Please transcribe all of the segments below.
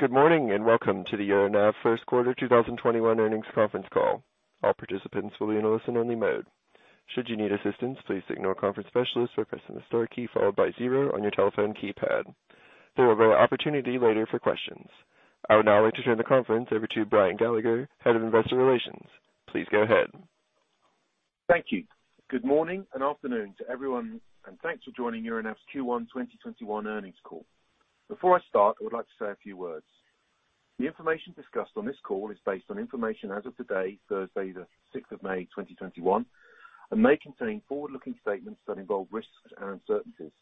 Good morning, and welcome to the Euronav First Quarter 2021 Earnings Conference Call. I would now like to turn the conference over to Brian Gallagher, Head of Investor Relations. Please go ahead. Thank you. Good morning and afternoon to everyone, thanks for joining Euronav's Q1 2021 Earnings Call. Before I start, I would like to say a few words. The information discussed on this call is based on information as of today, Thursday the May 6th 2021, may contain forward-looking statements that involve risks and uncertainties.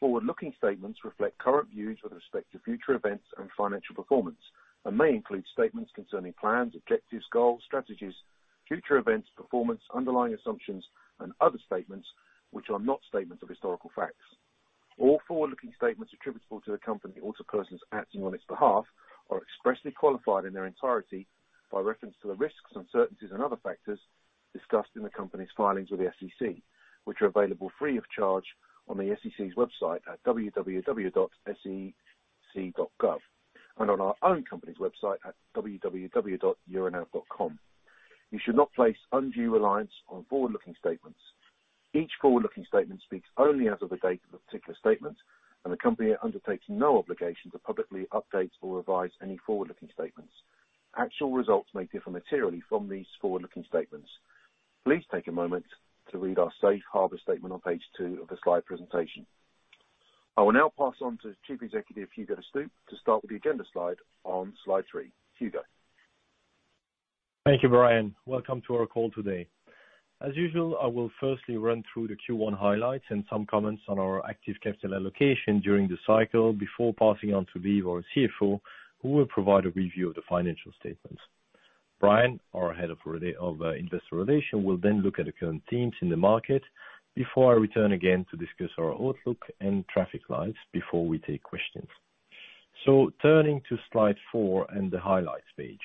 Forward-looking statements reflect current views with respect to future events and financial performance may include statements concerning plans, objectives, goals, strategies, future events, performance, underlying assumptions and other statements which are not statements of historical facts. All forward-looking statements attributable to the company or to persons acting on its behalf are expressly qualified in their entirety by reference to the risks, uncertainties, and other factors discussed in the company's filings with the SEC, which are available free of charge on the SEC's website at www.sec.gov and on our own company's website at www.euronav.com. You should not place undue reliance on forward-looking statements. Each forward-looking statement speaks only as of the date of the particular statement, and the company undertakes no obligation to publicly update or revise any forward-looking statements. Actual results may differ materially from these forward-looking statements. Please take a moment to read our safe harbor statement on page two of the slide presentation. I will now pass on to Chief Executive, Hugo De Stoop, to start with the agenda slide on slide three. Hugo. Thank you, Brian. Welcome to our call today. As usual, I will firstly run through the Q1 highlights and some comments on our active capital allocation during the cycle before passing on to Lieve, our CFO, who will provide a review of the financial statements. Brian, our Head of Investor Relations, will then look at the current themes in the market before I return again to discuss our outlook and traffic lights before we take questions. Turning to slide four and the highlights page.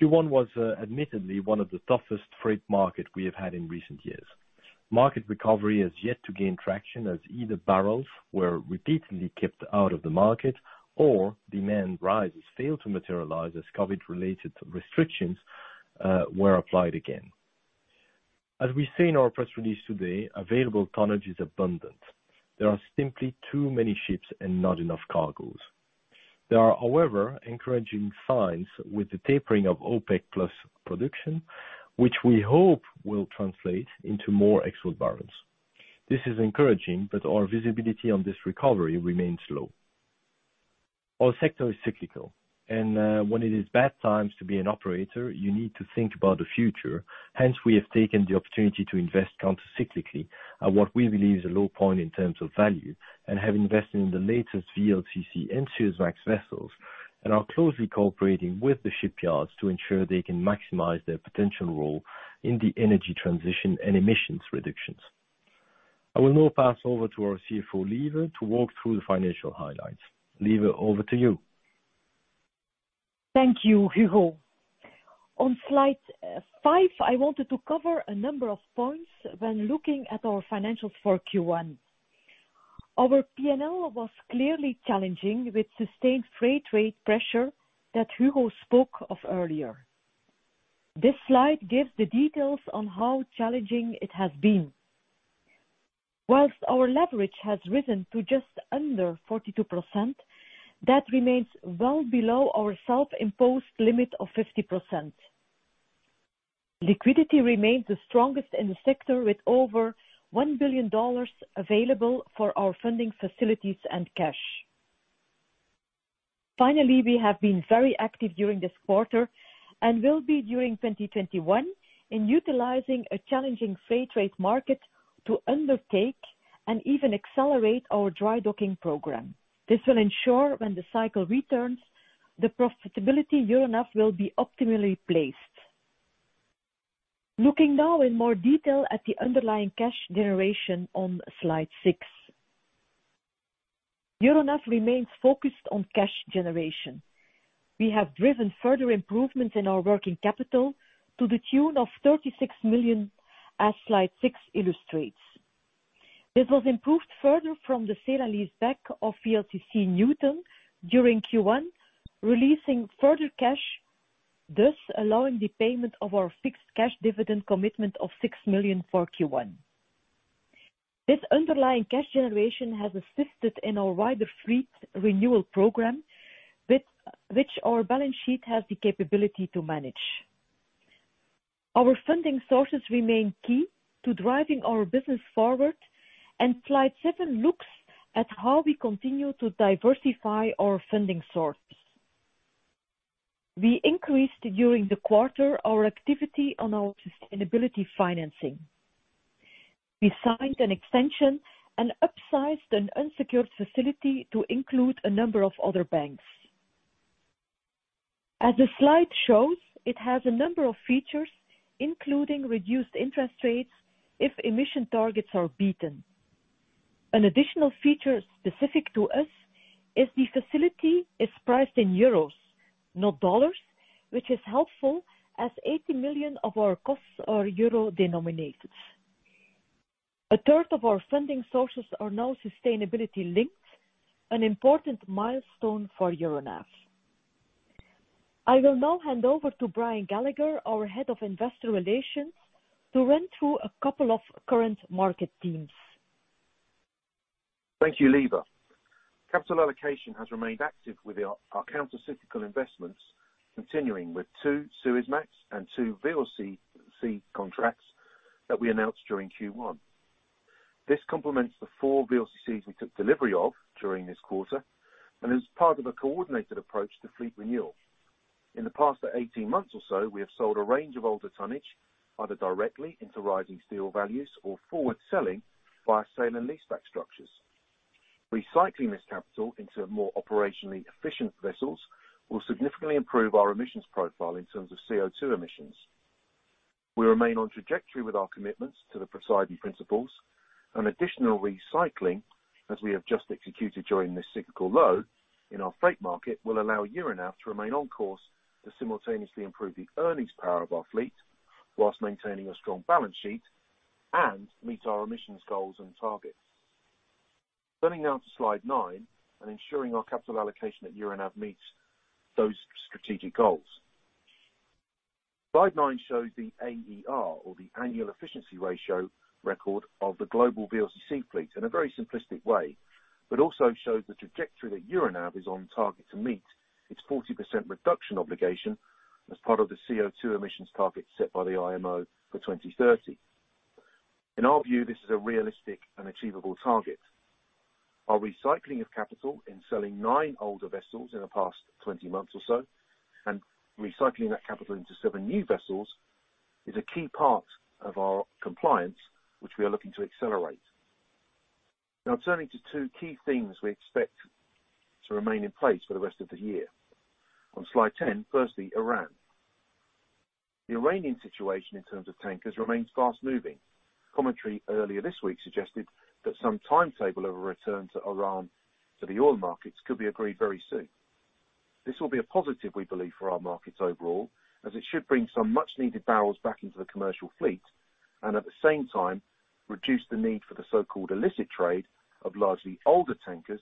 Q1 was admittedly one of the toughest freight market we have had in recent years. Market recovery has yet to gain traction as either barrels were repeatedly kept out of the market or demand rises failed to materialize as COVID-related restrictions were applied again. As we say in our press release today, available tonnage is abundant. There are simply too many ships and not enough cargoes. There are, however, encouraging signs with the tapering of OPEC+ production, which we hope will translate into more export barrels. This is encouraging, but our visibility on this recovery remains low. Our sector is cyclical, and when it is bad times to be an operator, you need to think about the future, hence we have taken the opportunity to invest countercyclically at what we believe is a low point in terms of value and have invested in the latest VLCC and Suezmax vessels and are closely cooperating with the shipyards to ensure they can maximize their potential role in the energy transition and emissions reductions. I will now pass over to our CFO, Lieve, to walk through the financial highlights. Lieve, over to you. Thank you, Hugo. On slide five, I wanted to cover a number of points when looking at our financials for Q1. Our P&L was clearly challenging with sustained freight rate pressure that Hugo spoke of earlier. This slide gives the details on how challenging it has been. Whilst our leverage has risen to just under 42%, that remains well below our self-imposed limit of 50%. Liquidity remains the strongest in the sector, with over $1 billion available for our funding facilities and cash. Finally, we have been very active during this quarter and will be during 2021 in utilizing a challenging freight rate market to undertake and even accelerate our dry docking program. This will ensure when the cycle returns, the profitability Euronav will be optimally placed. Looking now in more detail at the underlying cash generation on slide six. Euronav remains focused on cash generation. We have driven further improvements in our working capital to the tune of 36 million, as slide six illustrates. This was improved further from the sale and leaseback of VLCC Newton during Q1, releasing further cash, thus allowing the payment of our fixed cash dividend commitment of 6 million for Q1. This underlying cash generation has assisted in our wider fleet renewal program, which our balance sheet has the capability to manage. Our funding sources remain key to driving our business forward, and slide seven looks at how we continue to diversify our funding source. We increased during the quarter our activity on our sustainability financing. We signed an extension and upsized an unsecured facility to include a number of other banks. As the slide shows, it has a number of features, including reduced interest rates if emission targets are beaten. An additional feature specific to us is the facility is priced in euros, not dollars, which is helpful as 80 million of our costs are euro denominated. A third of our funding sources are now sustainability-linked, an important milestone for Euronav. I will now hand over to Brian Gallagher, our Head of Investor Relations, to run through a couple of current market themes. Thank you, Lieve. Capital allocation has remained active with our countercyclical investments, continuing with two Suezmax and two VLCC contracts that we announced during Q1. This complements the four VLCCs we took delivery of during this quarter and is part of a coordinated approach to fleet renewal. In the past 18 months or so, we have sold a range of older tonnage, either directly into rising steel values or forward selling via sale and leaseback structures. Recycling this capital into more operationally efficient vessels will significantly improve our emissions profile in terms of CO2 emissions. We remain on trajectory with our commitments to the Poseidon Principles. An additional recycling, as we have just executed during this cyclical low in our freight market, will allow Euronav to remain on course to simultaneously improve the earnings power of our fleet, whilst maintaining a strong balance sheet, and meet our emissions goals and targets. Turning now to slide nine and ensuring our capital allocation at Euronav meets those strategic goals. Slide nine shows the AER, or the annual efficiency ratio, record of the global VLCC fleet in a very simplistic way, but also shows the trajectory that Euronav is on target to meet its 40% reduction obligation as part of the CO2 emissions target set by the IMO for 2030. In our view, this is a realistic and achievable target. Our recycling of capital in selling nine older vessels in the past 20 months or so and recycling that capital into seven new vessels is a key part of our compliance, which we are looking to accelerate. Now turning to two key themes we expect to remain in place for the rest of the year. On slide 10, firstly, Iran. The Iranian situation in terms of tankers remains fast-moving. Commentary earlier this week suggested that some timetable of a return to Iran to the oil markets could be agreed very soon. This will be a positive, we believe, for our markets overall, as it should bring some much needed barrels back into the commercial fleet and at the same time reduce the need for the so-called illicit trade of largely older tankers,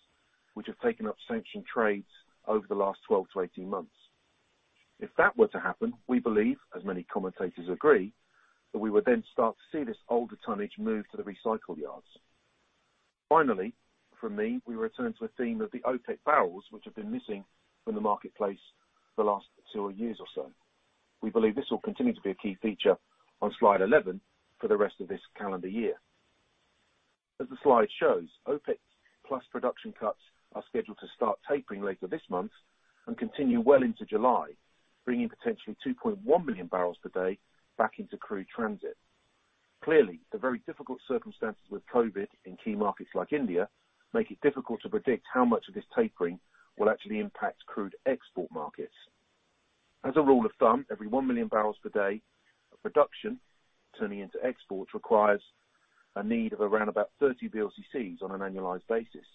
which have taken up sanction trades over the last 12 to 18 months. If that were to happen, we believe, as many commentators agree, that we would then start to see this older tonnage move to the recycle yards. Finally, from me, we return to a theme of the OPEC barrels, which have been missing from the marketplace for the last two years or so. We believe this will continue to be a key feature on slide 11 for the rest of this calendar year. As the slide shows, OPEC+ production cuts are scheduled to start tapering later this month and continue well into July, bringing potentially 2.1 million barrels per day back into crude transit. Clearly, the very difficult circumstances with COVID in key markets like India make it difficult to predict how much of this tapering will actually impact crude export markets. As a rule of thumb, every 1 million barrels per day of production turning into exports requires a need of around about 30 VLCCs on an annualized basis.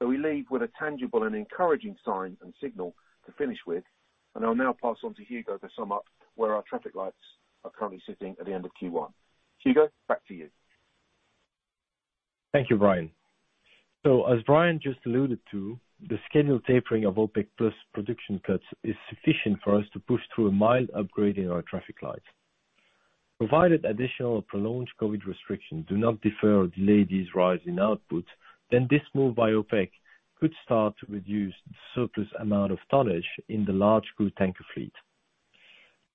We leave with a tangible and encouraging sign and signal to finish with, and I'll now pass on to Hugo to sum up where our traffic lights are currently sitting at the end of Q1. Hugo, back to you. Thank you, Brian. As Brian just alluded to, the scheduled tapering of OPEC+ production cuts is sufficient for us to push through a mild upgrade in our traffic light. Provided additional prolonged COVID restrictions do not defer or delay this rise in output, this move by OPEC could start to reduce the surplus amount of tonnage in the large crude tanker fleet.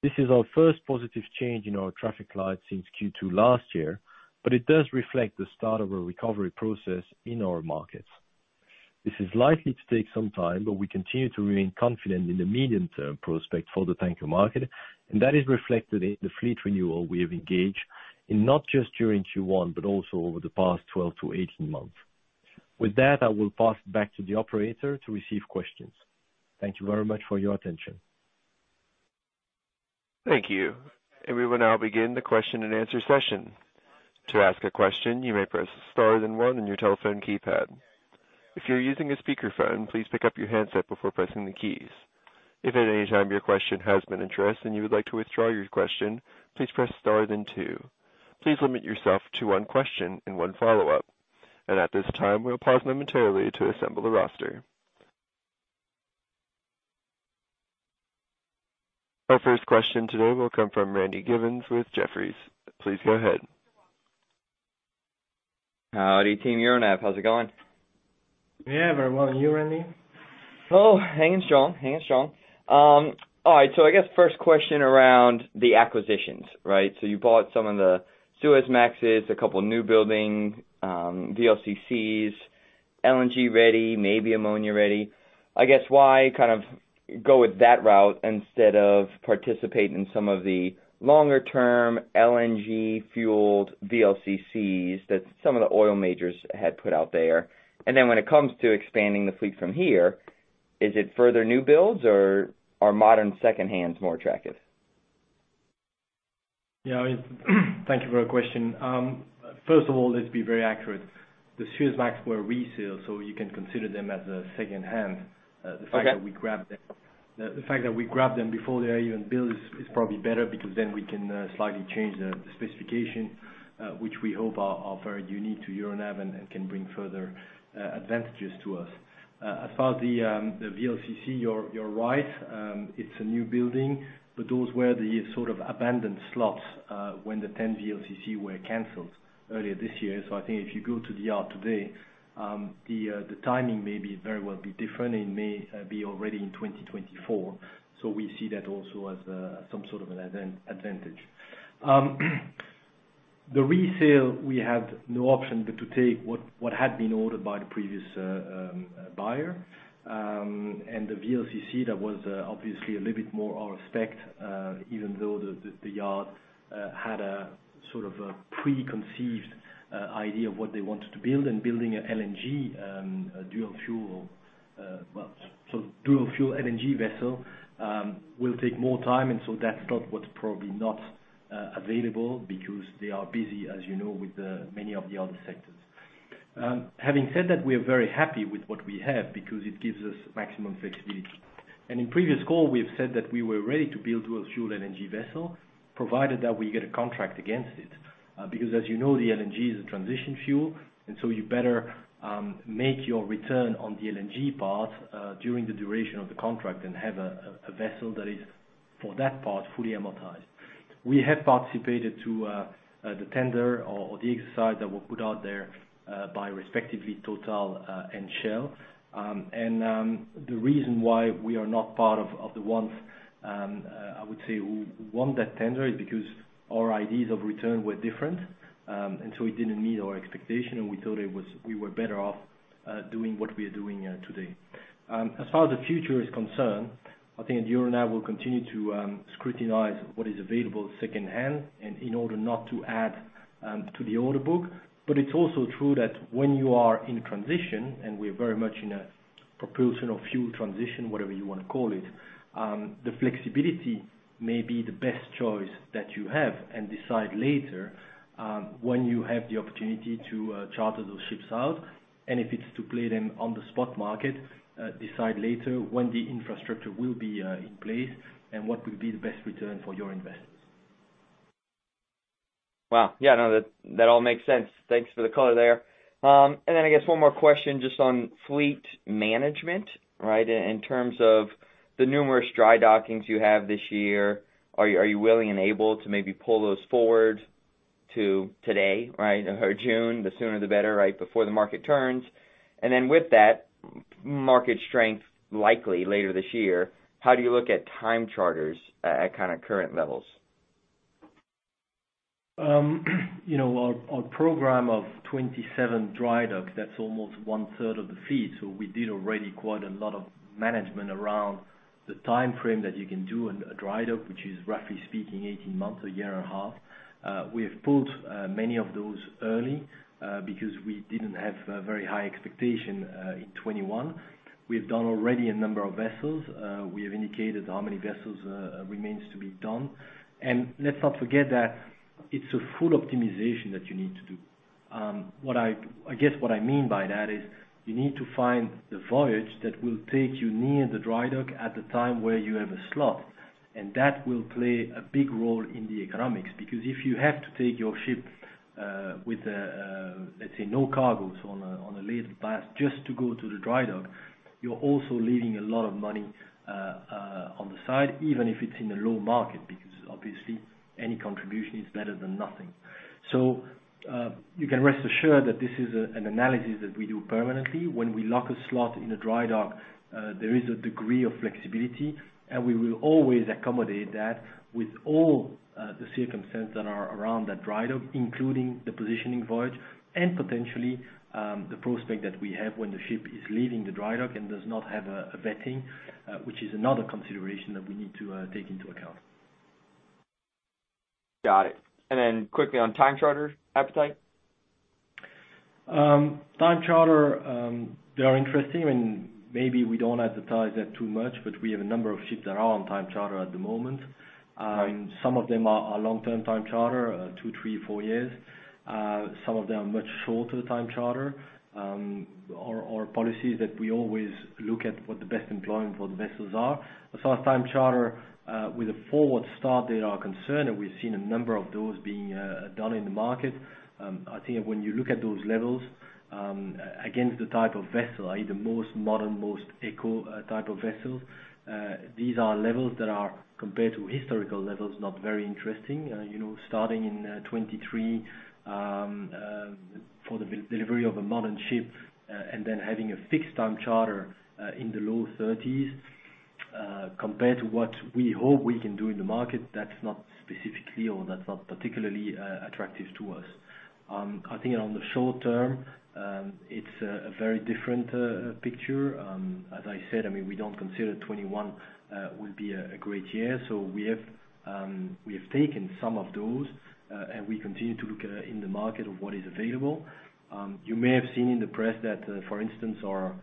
This is our first positive change in our traffic light since Q2 last year, it does reflect the start of a recovery process in our markets. This is likely to take some time, we continue to remain confident in the medium-term prospect for the tanker market, that is reflected in the fleet renewal we have engaged in not just during Q1, also over the past 12-18 months. With that, I will pass it back to the operator to receive questions. Thank you very much for your attention. Thank you. We will now begin the question and answer session. To ask a question, you may press star then one on your telephone keypad. If you're using a speakerphone, please pick up your handset before pressing the keys. If at any time your question has been addressed and you would like to withdraw your question, please press star then two. Please limit yourself to one question and one follow-up. At this time, we'll pause momentarily to assemble the roster. Our first question today will come from Randy Giveans with Jefferies. Please go ahead. Howdy, team Euronav. How's it going? Yeah, very well. You, Randy? Oh, hanging strong. All right. I guess first question around the acquisitions, right? You bought some of the Suezmaxes, a couple new building VLCCs, LNG ready, maybe ammonia ready. I guess why kind of go with that route instead of participating in some of the longer-term LNG-fueled VLCCs that some of the oil majors had put out there. When it comes to expanding the fleet from here, is it further new builds or are modern second hands more attractive? Thank you for your question. First of all, let's be very accurate. The Suezmax were resale, you can consider them as secondhand. Okay. The fact that we grabbed them before they are even built is probably better, because then we can slightly change the specification, which we hope are very unique to Euronav and can bring further advantages to us. As far the VLCC, you're right. It's a new building, but those were the sort of abandoned slots, when the 10 VLCC were canceled earlier this year. I think if you go to the yard today, the timing may be very well be different. It may be already in 2024. We see that also as some sort of an advantage. The resale, we had no option but to take what had been ordered by the previous buyer. The VLCC, that was obviously a little bit more our spec, even though the yard had a sort of a preconceived idea of what they wanted to build. Building a LNG dual-fuel vessel will take more time, and so that slot was probably not available because they are busy, as you know, with many of the other sectors. Having said that, we are very happy with what we have because it gives us maximum flexibility. In previous call, we have said that we were ready to build dual-fuel LNG vessel, provided that we get a contract against it. As you know, the LNG is a transition fuel, and so you better make your return on the LNG part during the duration of the contract, and have a vessel that is, for that part, fully amortized. We have participated to the tender or the exercise that were put out there by respectively, TotalEnergies and Shell. The reason why we are not part of the ones, I would say, who won that tender is because our ideas of return were different. It didn't meet our expectation, and we thought we were better off doing what we are doing today. As far as the future is concerned, I think Euronav will continue to scrutinize what is available secondhand, in order not to add to the order book. It's also true that when you are in transition, and we are very much in a propulsion of fuel transition, whatever you want to call it, the flexibility may be the best choice that you have, and decide later, when you have the opportunity to charter those ships out. If it's to play them on the spot market, decide later when the infrastructure will be in place, and what will be the best return for your investments. Wow. Yeah, no, that all makes sense. Thanks for the color there. I guess one more question just on fleet management, right? In terms of the numerous dry dockings you have this year, are you willing and able to maybe pull those forward to today or June, the sooner the better, right, before the market turns? With that market strength likely later this year, how do you look at time charters at kind of current levels? Our program of 27 dry docks, that's almost one third of the fleet. We did already quite a lot of management around the timeframe that you can do a dry dock, which is roughly speaking, 18 months, a year and a half. We have pulled many of those early because we didn't have a very high expectation in 2021. We have done already a number of vessels. We have indicated how many vessels remains to be done. Let's not forget that it's a full optimization that you need to do. I guess what I mean by that is you need to find the voyage that will take you near the dry dock at the time where you have a slot. That will play a big role in the economics. If you have to take your ship with, let's say no cargo, on a layup just to go to the dry dock, you are also leaving a lot of money on the side, even if it is in a low market, because obviously any contribution is better than nothing. You can rest assured that this is an analysis that we do permanently. When we lock a slot in a dry dock, there is a degree of flexibility, and we will always accommodate that with all the circumstances that are around that dry dock, including the positioning voyage and potentially, the prospect that we have when the ship is leaving the dry dock and does not have a vetting, which is another consideration that we need to take into account. Got it. Quickly on time charter appetite. Time charter, they are interesting, and maybe we don't advertise that too much, but we have a number of ships that are on time charter at the moment. Some of them are long-term time charter, two, three, four years. Some of them are much shorter time charter. Our policy is that we always look at what the best employment for the vessels are. As far as time charter, with a forward start, they are concerned, and we've seen a number of those being done in the market. I think when you look at those levels, against the type of vessel, i.e., the most modern, most eco type of vessels, these are levels that are compared to historical levels, not very interesting. Starting in 2023, for the delivery of a modern ship, having a fixed-time charter in the low 30s, compared to what we hope we can do in the market, that's not specifically, or that's not particularly attractive to us. I think on the short-term, it's a very different picture. As I said, we don't consider 2021 will be a great year. We have taken some of those. We continue to look in the market of what is available. You may have seen in the press that, for instance, our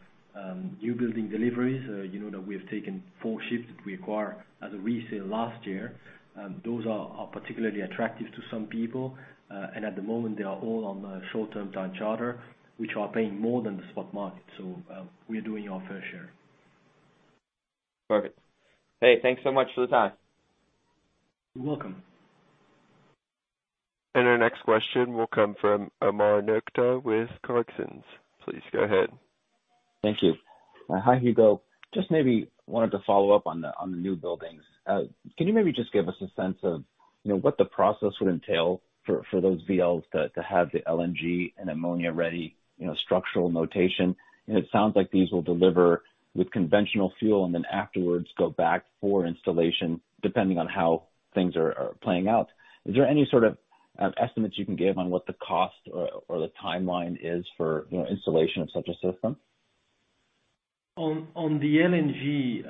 new building deliveries, you know that we have taken four ships that we acquired as a resale last year. Those are particularly attractive to some people. At the moment they are all on short-term time charter, which are paying more than the spot market. We are doing our fair share. Perfect. Hey, thanks so much for the time. You're welcome. Our next question will come from Omar Nokta with Clarksons. Please go ahead. Thank you. Hi, Hugo. Just maybe wanted to follow up on the new buildings. Can you maybe just give us a sense of what the process would entail for those VLs to have the LNG and ammonia-ready structural notation? It sounds like these will deliver with conventional fuel and then afterwards go back for installation, depending on how things are playing out. Is there any sort of estimates you can give on what the cost or the timeline is for installation of such a system? The LNG,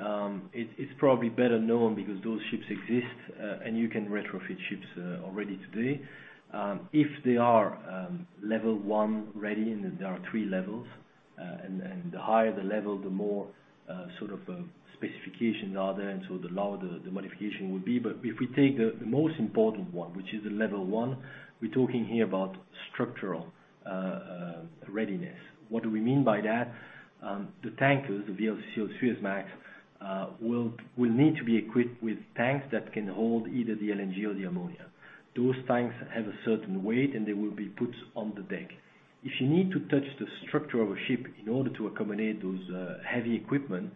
it's probably better known because those ships exist, and you can retrofit ships already today. If they are level one ready, there are three levels, and the higher the level, the more sort of specifications are there, the lower the modification would be. If we take the most important one, which is the level one, we're talking here about structural readiness. What do we mean by that? The tankers, the VLCC, Suezmax, will need to be equipped with tanks that can hold either the LNG or the ammonia. Those tanks have a certain weight, and they will be put on the deck. If you need to touch the structure of a ship in order to accommodate those heavy equipment,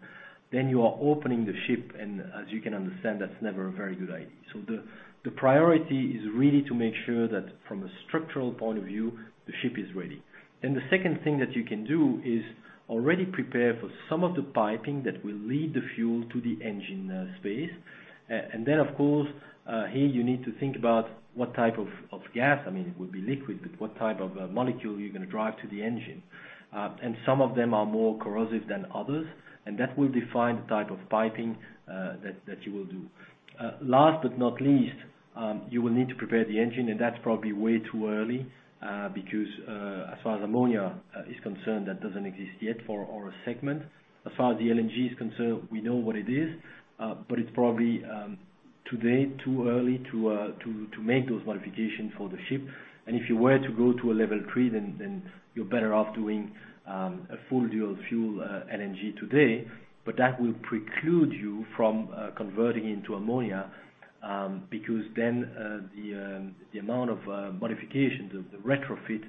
you are opening the ship, as you can understand, that's never a very good idea. The priority is really to make sure that from a structural point of view, the ship is ready. The second thing that you can do is already prepare for some of the piping that will lead the fuel to the engine space. Of course, here you need to think about what type of gas, I mean, it would be liquid, but what type of molecule you're going to drive to the engine. Some of them are more corrosive than others, and that will define the type of piping that you will do. Last but not least, you will need to prepare the engine, and that's probably way too early, because, as far as ammonia is concerned, that doesn't exist yet for our segment. As far as the LNG is concerned, we know what it is. It's probably today too early to make those modifications for the ship. If you were to go to a level three, then you're better off doing a full dual-fuel LNG today. That will preclude you from converting into ammonia, because then the amount of modifications of the retrofit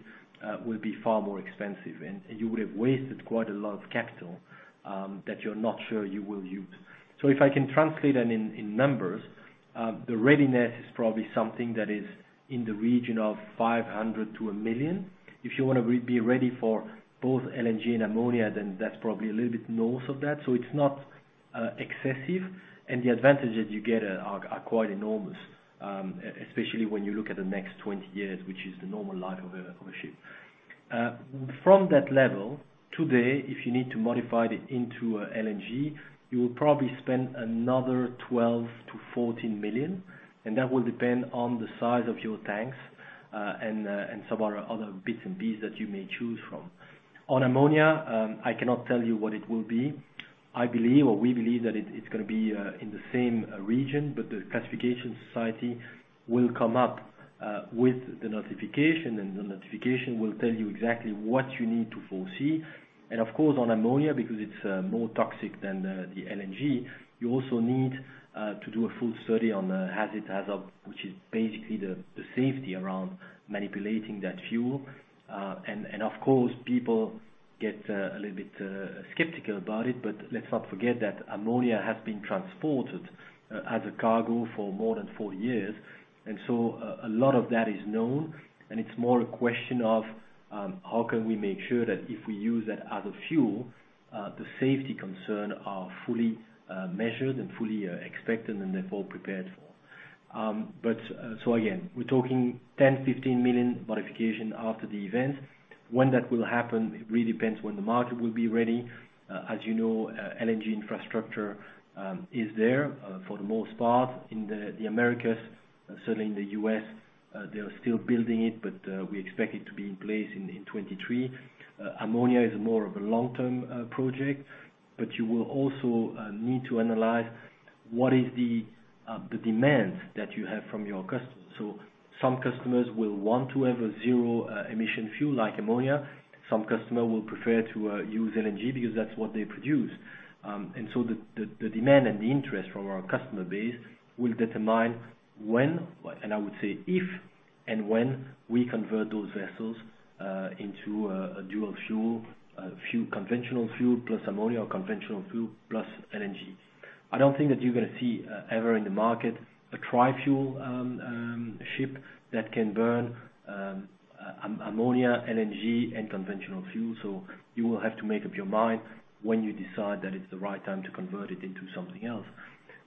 will be far more expensive, and you would have wasted quite a lot of capital that you're not sure you will use. If I can translate that in numbers, the readiness is probably something that is in the region of 500,000 to 1 million. If you want to be ready for both LNG and ammonia, then that's probably a little bit north of that. It's not excessive, and the advantages you get are quite enormous, especially when you look at the next 20 years, which is the normal life of a ship. From that level, today, if you need to modify it into LNG, you will probably spend another 12 million-14 million, that will depend on the size of your tanks, and some other bits and pieces that you may choose from. On ammonia, I cannot tell you what it will be. I believe, or we believe that it's going to be in the same region, but the classification society will come up with the notification, and the notification will tell you exactly what you need to foresee. Of course, on ammonia, because it's more toxic than the LNG, you also need to do a full study on the hazard, which is basically the safety around manipulating that fuel. Of course, people get a little bit skeptical about it, but let's not forget that ammonia has been transported as a cargo for more than 40 years. A lot of that is known, and it's more a question of, how can we make sure that if we use that as a fuel, the safety concerns are fully measured and fully expected and therefore prepared for. Again, we're talking 10 million, 15 million modification after the event. When that will happen, it really depends when the market will be ready. As you know, LNG infrastructure is there for the most part in the Americas. Certainly in the U.S., they are still building it, but we expect it to be in place in 2023. Ammonia is more of a long-term project, but you will also need to analyze what is the demands that you have from your customers. Some customers will want to have a zero-emission fuel like ammonia. Some customers will prefer to use LNG because that's what they produce. The demand and the interest from our customer base will determine when, and I would say if and when, we convert those vessels into a dual-fuel, conventional fuel plus ammonia or conventional fuel plus LNG. I don't think that you're going to see ever in the market a tri-fuel ship that can burn ammonia, LNG, and conventional fuel. You will have to make up your mind when you decide that it's the right time to convert it into something else.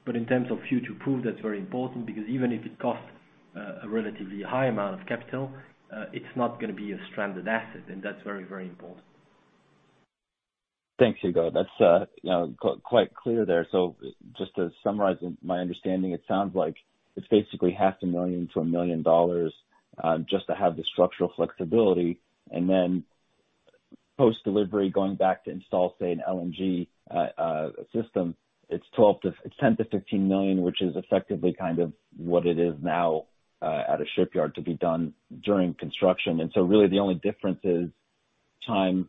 In terms of future-proof, that's very important, because even if it costs a relatively high amount of capital, it's not going to be a stranded asset, and that's very, very important. Thanks, Hugo. That's quite clear there. Just to summarize my understanding, it sounds like it's basically $500,000, just to have the structural flexibility, and then post-delivery, going back to install, say, an LNG system. It's $10 million-$15 million, which is effectively what it is now at a shipyard to be done during construction. Really the only difference is time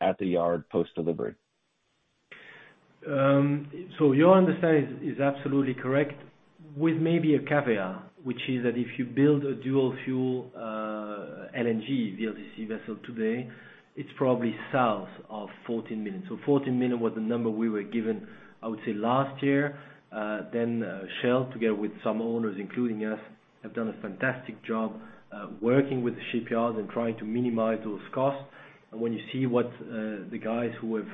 at the yard post-delivery. Your understanding is absolutely correct with maybe a caveat, which is that if you build a dual-fuel LNG VLCC vessel today, it's probably south of 14 million. 14 million was the number we were given, I would say last year. Shell, together with some owners, including us, have done a fantastic job working with the shipyards and trying to minimize those costs. When you see what the guys who have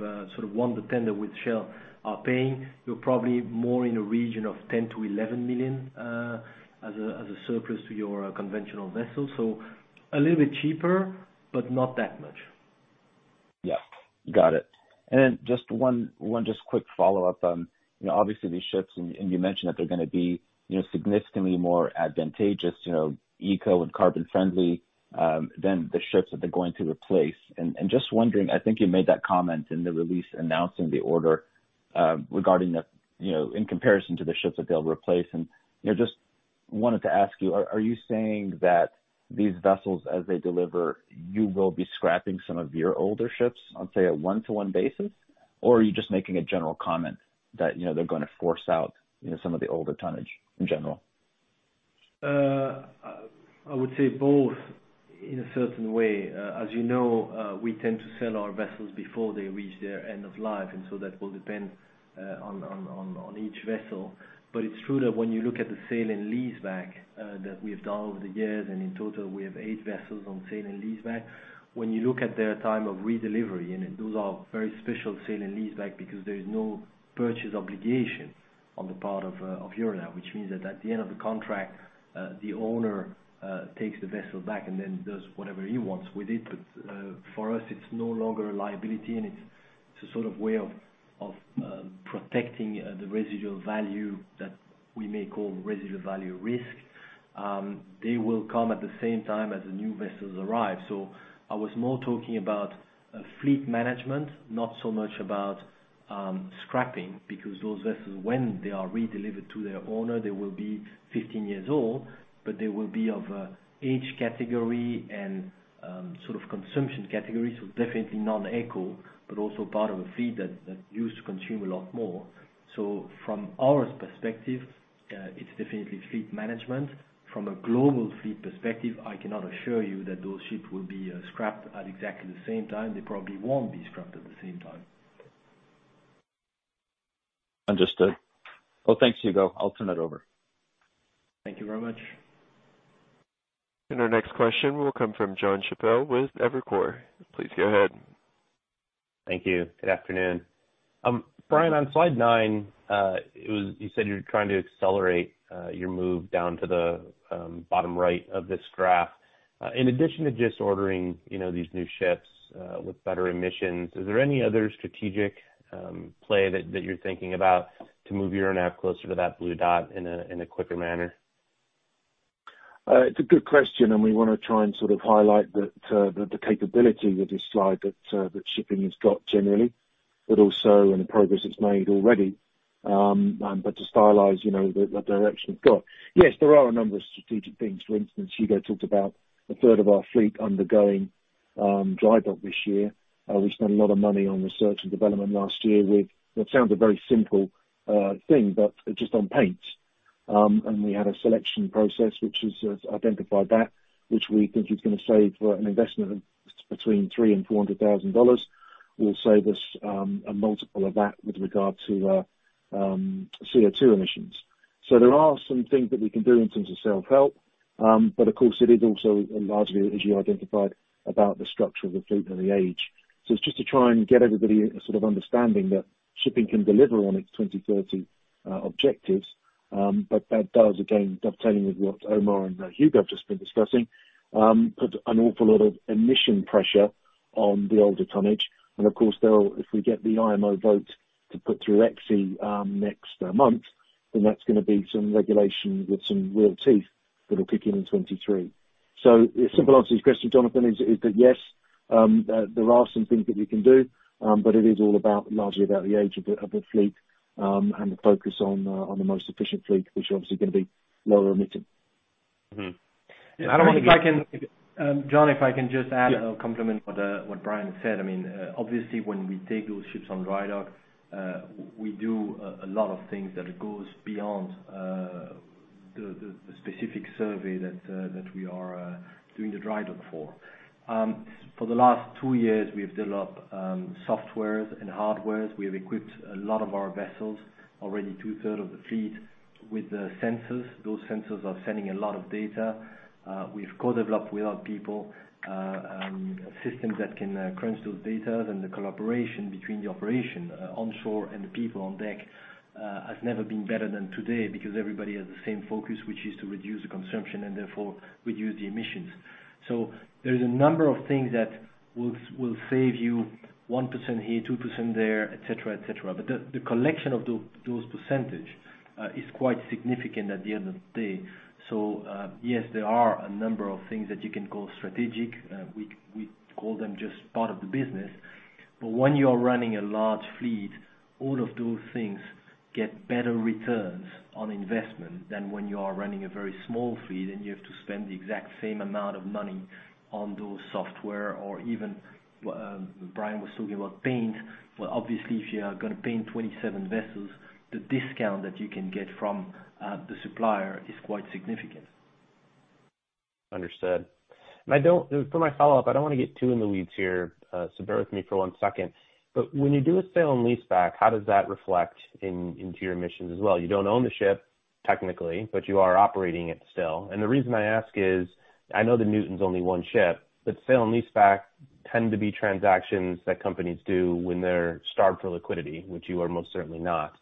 won the tender with Shell are paying, you're probably more in a region of 10 million-11 million as a surplus to your conventional vessels. A little bit cheaper, but not that much. Yeah. Got it. Just one quick follow-up. Obviously, these ships, you mentioned that they're going to be significantly more advantageous, eco and carbon friendly than the ships that they're going to replace. Just wondering, I think you made that comment in the release announcing the order regarding in comparison to the ships that they'll replace. Just wanted to ask you, are you saying that these vessels, as they deliver, you will be scrapping some of your older ships on, say, a one-to-one basis? Or are you just making a general comment that they're going to force out some of the older tonnage in general? I would say both in a certain way. As you know, we tend to sell our vessels before they reach their end of life, and so that will depend on each vessel. It's true that when you look at the sale and leaseback that we have done over the years, and in total, we have eight vessels on sale and leaseback. When you look at their time of redelivery, and those are very special sale and leaseback because there is no purchase obligation on the part of Euronav, which means that at the end of the contract, the owner takes the vessel back and then does whatever he wants with it. For us, it's no longer a liability, and it's a sort of way of protecting the residual value that we may call residual value risk. They will come at the same time as the new vessels arrive. I was more talking about fleet management, not so much about scrapping, because those vessels, when they are redelivered to their owner, they will be 15 years old, but they will be of age category and sort of consumption category. Definitely non-eco, but also part of a fleet that used to consume a lot more. From our perspective, it's definitely fleet management. From a global fleet perspective, I cannot assure you that those ships will be scrapped at exactly the same time. They probably won't be scrapped at the same time. Understood. Well, thanks, Hugo. I'll turn that over. Thank you very much. Our next question will come from Jon Chappell with Evercore. Please go ahead. Thank you. Good afternoon. Brian, on slide nine, you said you're trying to accelerate your move down to the bottom right of this graph. In addition to just ordering these new ships with better emissions, is there any other strategic play that you're thinking about to move Euronav closer to that blue dot in a quicker manner? It's a good question. We want to try and sort of highlight the capability with this slide that shipping has got generally, but also in the progress it's made already. To stylize the direction it's got. Yes, there are a number of strategic things. For instance, Hugo talked about a third of our fleet undergoing dry dock this year. We spent a lot of money on research and development last year with, what sounds a very simple thing, but just on paint. We had a selection process which has identified that, which we think is going to save an investment of between $300,000-$400,000, will save us a multiple of that with regard to CO2 emissions. There are some things that we can do in terms of self-help. Of course, it is also largely, as you identified, about the structure of the fleet and the age. It's just to try and get everybody sort of understanding that shipping can deliver on its 2030 objectives. That does, again, dovetailing with what Omar and Hugo have just been discussing, put an awful lot of emission pressure on the older tonnage. Of course, if we get the IMO vote to put through EEXI next month, that's going to be some regulation with some real teeth that will kick in in 2023. The simple answer to your question, Jonathan, is that, yes, there are some things that we can do, but it is all largely about the age of the fleet, and the focus on the most efficient fleet, which obviously is going to be lower emitting. Jon, if I can just add or complement what Brian said. Obviously, when we take those ships on dry dock, we do a lot of things that goes beyond the specific survey that we are doing the dry dock for. For the last two years, we have developed softwares and hardwares. We have equipped a lot of our vessels, already two-third of the fleet, with the sensors. Those sensors are sending a lot of data. We've co-developed with our people systems that can crunch those data. The collaboration between the operation onshore and the people on deck has never been better than today because everybody has the same focus, which is to reduce the consumption and therefore reduce the emissions. There's a number of things that will save you 1% here, 2% there, et cetera. The collection of those percentage is quite significant at the end of the day. Yes, there are a number of things that you can call strategic. We call them just part of the business. When you are running a large fleet, all of those things get better returns on investment than when you are running a very small fleet and you have to spend the exact same amount of money on those software. Even Brian was talking about paint. Obviously, if you are going to paint 27 vessels, the discount that you can get from the supplier is quite significant. Understood. For my follow-up, I don't want to get too in the weeds here, so bear with me for one second. When you do a sale and leaseback, how does that reflect into your emissions as well? You don't own the ship, technically, but you are operating it still. The reason I ask is, I know the Newton's only one ship, but sale and leaseback tend to be transactions that companies do when they're starved for liquidity, which you are most certainly not.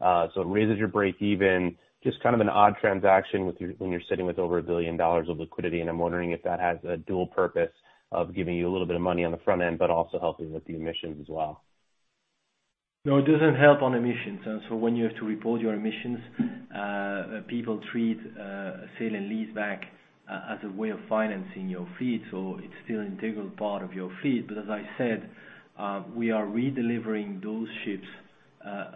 It raises your breakeven. Just kind of an odd transaction when you're sitting with over $1 billion of liquidity, and I'm wondering if that has a dual purpose of giving you a little bit of money on the front end, but also helping with the emissions as well. No, it doesn't help on emissions. When you have to report your emissions, people treat a sale and lease back as a way of financing your fleet, so it's still an integral part of your fleet. As I said, we are redelivering those ships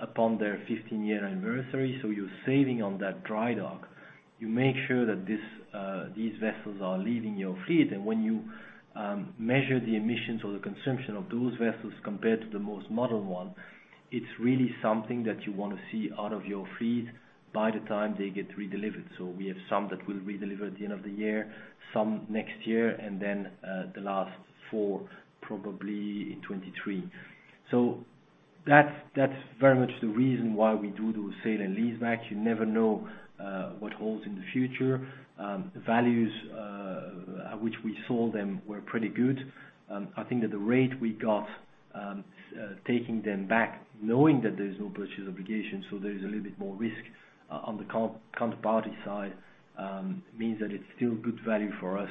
upon their 15-year anniversary, so you're saving on that dry dock. You make sure that these vessels are leaving your fleet. When you measure the emissions or the consumption of those vessels compared to the most modern one, it's really something that you want to see out of your fleet by the time they get redelivered. We have some that will redeliver at the end of the year, some next year, and then the last four probably in 2023. That's very much the reason why we do those sale and lease back. You never know what holds in the future. Values at which we sold them were pretty good. I think that the rate we got, taking them back, knowing that there is no purchase obligation, so there is a little bit more risk on the counterparty side, means that it's still good value for us,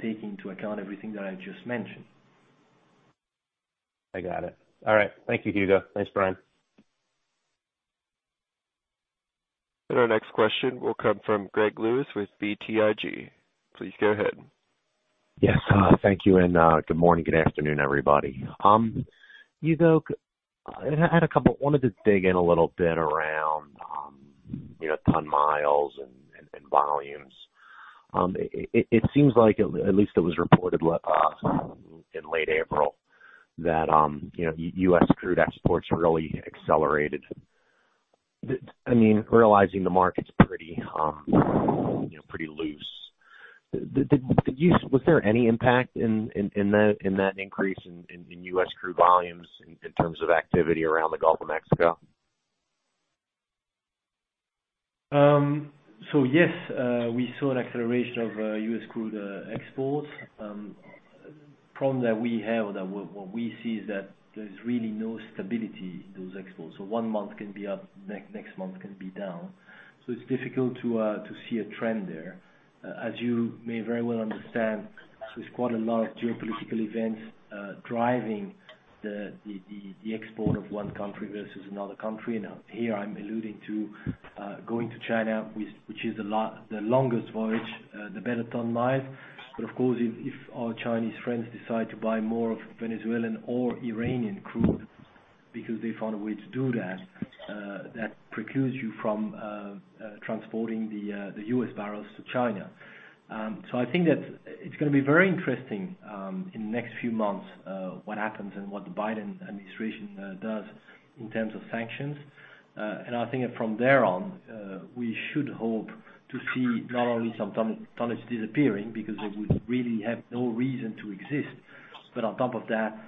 taking into account everything that I just mentioned. I got it. All right. Thank you, Hugo. Thanks, Brian. Our next question will come from Greg Lewis with BTIG. Please go ahead. Yes. Thank you, good morning, good afternoon, everybody. Hugo, I wanted to dig in a little bit around ton-miles and volumes. It seems like, at least it was reported in late April, that U.S. crude exports really accelerated. Realizing the market's pretty loose, was there any impact in that increase in U.S. crude volumes in terms of activity around the Gulf of Mexico? Yes, we saw an acceleration of U.S. crude exports. Problem that we have, or that what we see, is that there's really no stability, those exports. One month can be up, next month can be down. It's difficult to see a trend there. As you may very well understand, there's quite a lot of geopolitical events driving the export of one country versus another country. Here I'm alluding to going to China, which is the longest voyage, the better ton-mile. Of course, if our Chinese friends decide to buy more of Venezuelan or Iranian crude because they found a way to do that precludes you from transporting the U.S. barrels to China. I think that it's going to be very interesting in the next few months, what happens and what the Biden administration does in terms of sanctions. I think that from there on, we should hope to see not only some tonnage disappearing because they would really have no reason to exist, but on top of that,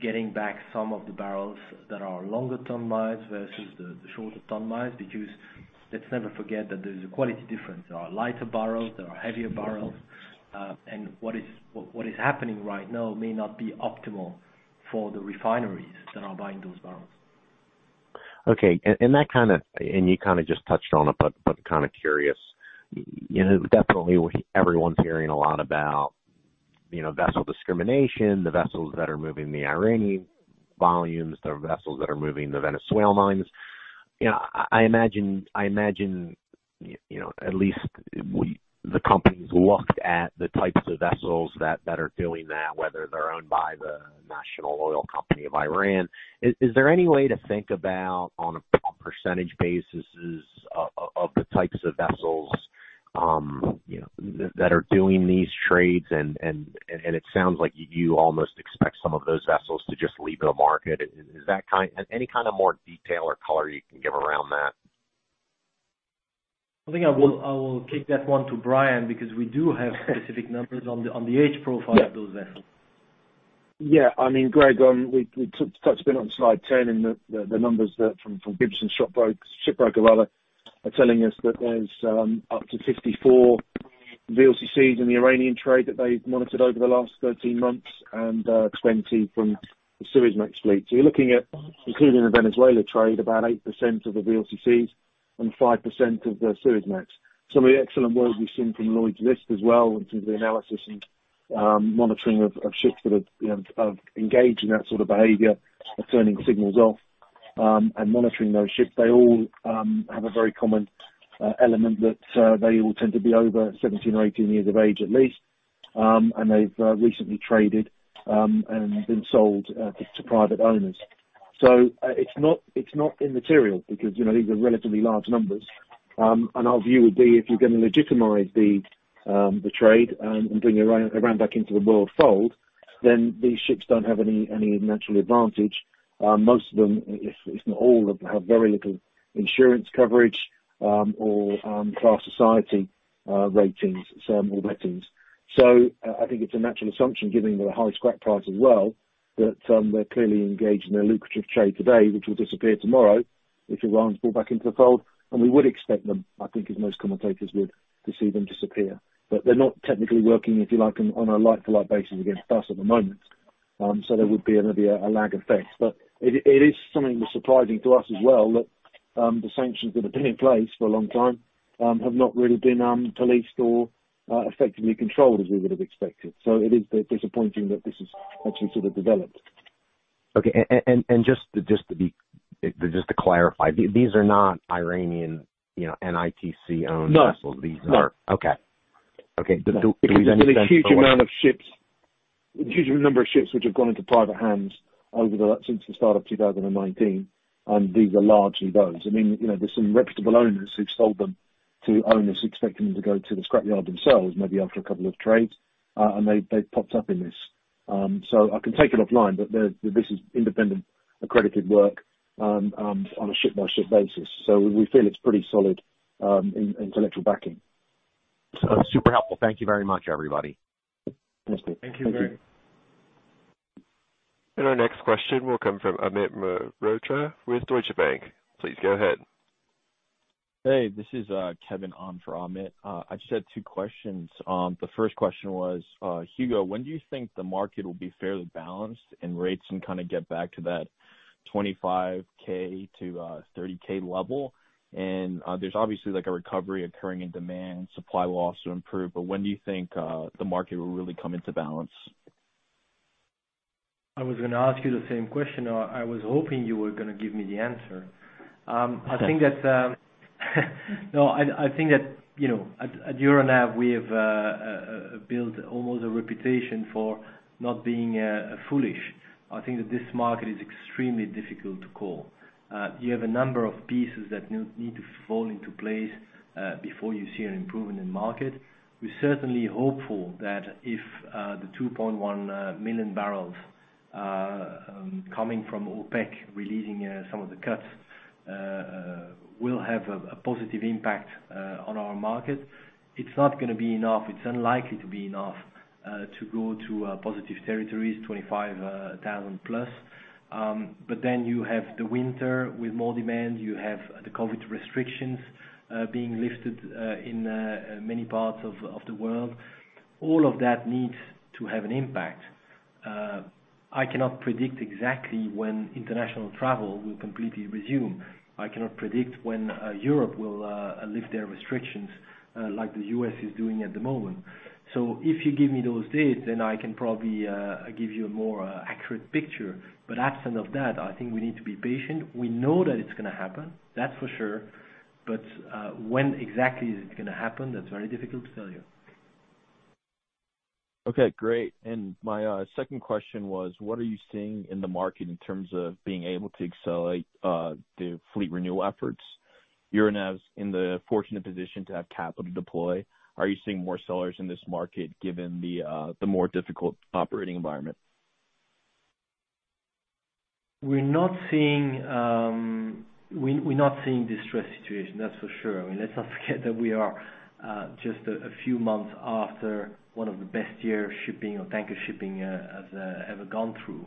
getting back some of the barrels that are longer ton-miles versus the shorter ton-miles. Let's never forget that there is a quality difference. There are lighter barrels, there are heavier barrels. What is happening right now may not be optimal for the refineries that are buying those barrels. Okay. You kind of just touched on it, but kind of curious. Definitely everyone's hearing a lot about vessel discrimination, the vessels that are moving the Iranian volumes, there are vessels that are moving the Venezuelan volumes. I imagine at least the companies looked at the types of vessels that are doing that, whether they're owned by the national oil company of Iran. Is there any way to think about on a percentage basis of the types of vessels that are doing these trades? It sounds like you almost expect some of those vessels to just leave the market. Any kind of more detail or color you can give around that? I think I will kick that one to Brian because we do have specific numbers on the age profile of those vessels. Greg, we touched a bit on slide 10. The numbers from Gibson Shipbrokers are telling us that there's up to 54 VLCCs in the Iranian trade that they've monitored over the last 13 months, and 20 from the Suezmax fleet. You're looking at, including the Venezuela trade, about 8% of the VLCCs and 5% of the Suezmax. Some of the excellent work we've seen from Lloyd's List as well in terms of the analysis and monitoring of ships that have engaged in that sort of behavior, of turning signals off and monitoring those ships. They all have a very common element that they all tend to be over 17 or 18 years of age, at least. They've recently traded and been sold to private owners. It's not immaterial, because these are relatively large numbers. Our view would be, if you're going to legitimize the trade and bring Iran back into the world fold, then these ships don't have any natural advantage. Most of them, if not all, have very little insurance coverage or class society ratings, some, or ratings. I think it's a natural assumption, given the high scrap price as well, that they're clearly engaged in a lucrative trade today, which will disappear tomorrow if Iran's brought back into the fold. We would expect them, I think as most commentators would, to see them disappear. They're not technically working, if you like, on a like-for-like basis against us at the moment. There would be maybe a lag effect. It is something that's surprising to us as well, that the sanctions that have been in place for a long time have not really been policed or effectively controlled as we would have expected. It is disappointing that this has actually sort of developed. Okay. Just to clarify, these are not Iranian NITC-owned- No vessels. No. Okay. Okay. There's a huge amount of ships, huge number of ships which have gone into private hands over the last, since the start of 2019. These are largely those. There's some reputable owners who've sold them to owners expecting them to go to the scrapyard themselves, maybe after a couple of trades. They've popped up in this. I can take it offline. This is independent, accredited work on a ship-by-ship basis. We feel it's pretty solid intellectual backing. Super helpful. Thank you very much, everybody. Thanks. Thank you very. Our next question will come from Amit Mehrotra with Deutsche Bank. Please go ahead. Hey, this is Kevin on for Amit. I just had two questions. The first question was, Hugo, when do you think the market will be fairly balanced and rates can kind of get back to that $25,000-$30,000 level? There's obviously a recovery occurring in demand. Supply will also improve. When do you think the market will really come into balance? I was going to ask you the same question. I was hoping you were going to give me the answer. No, I think that, at Euronav, we have built almost a reputation for not being foolish. I think that this market is extremely difficult to call. You have a number of pieces that need to fall into place, before you see an improvement in market. We're certainly hopeful that if the 2.1 million barrels coming from OPEC, releasing some of the cuts, will have a positive impact on our market. It's not going to be enough, it's unlikely to be enough to go to positive territories, 25,000+. You have the winter with more demand. You have the COVID restrictions being lifted in many parts of the world. All of that needs to have an impact. I cannot predict exactly when international travel will completely resume. I cannot predict when Europe will lift their restrictions like the U.S. is doing at the moment. If you give me those dates, then I can probably give you a more accurate picture. Absent of that, I think we need to be patient. We know that it's going to happen, that's for sure. When exactly is it going to happen? That's very difficult to tell you. Okay, great. My second question was, what are you seeing in the market in terms of being able to accelerate the fleet renewal efforts? Euronav's in the fortunate position to have capital to deploy. Are you seeing more sellers in this market given the more difficult operating environment? We're not seeing distress situation, that's for sure. Let's not forget that we are just a few months after one of the best years shipping or tanker shipping has ever gone through.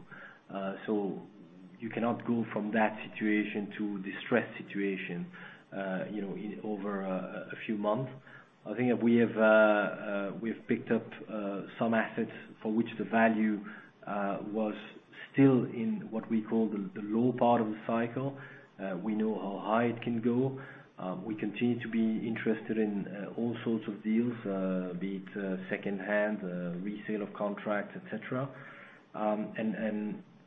You cannot go from that situation to a distressed situation in over a few months. I think we have picked up some assets for which the value was still in what we call the low part of the cycle. We know how high it can go. We continue to be interested in all sorts of deals, be it secondhand, resale of contracts, et cetera.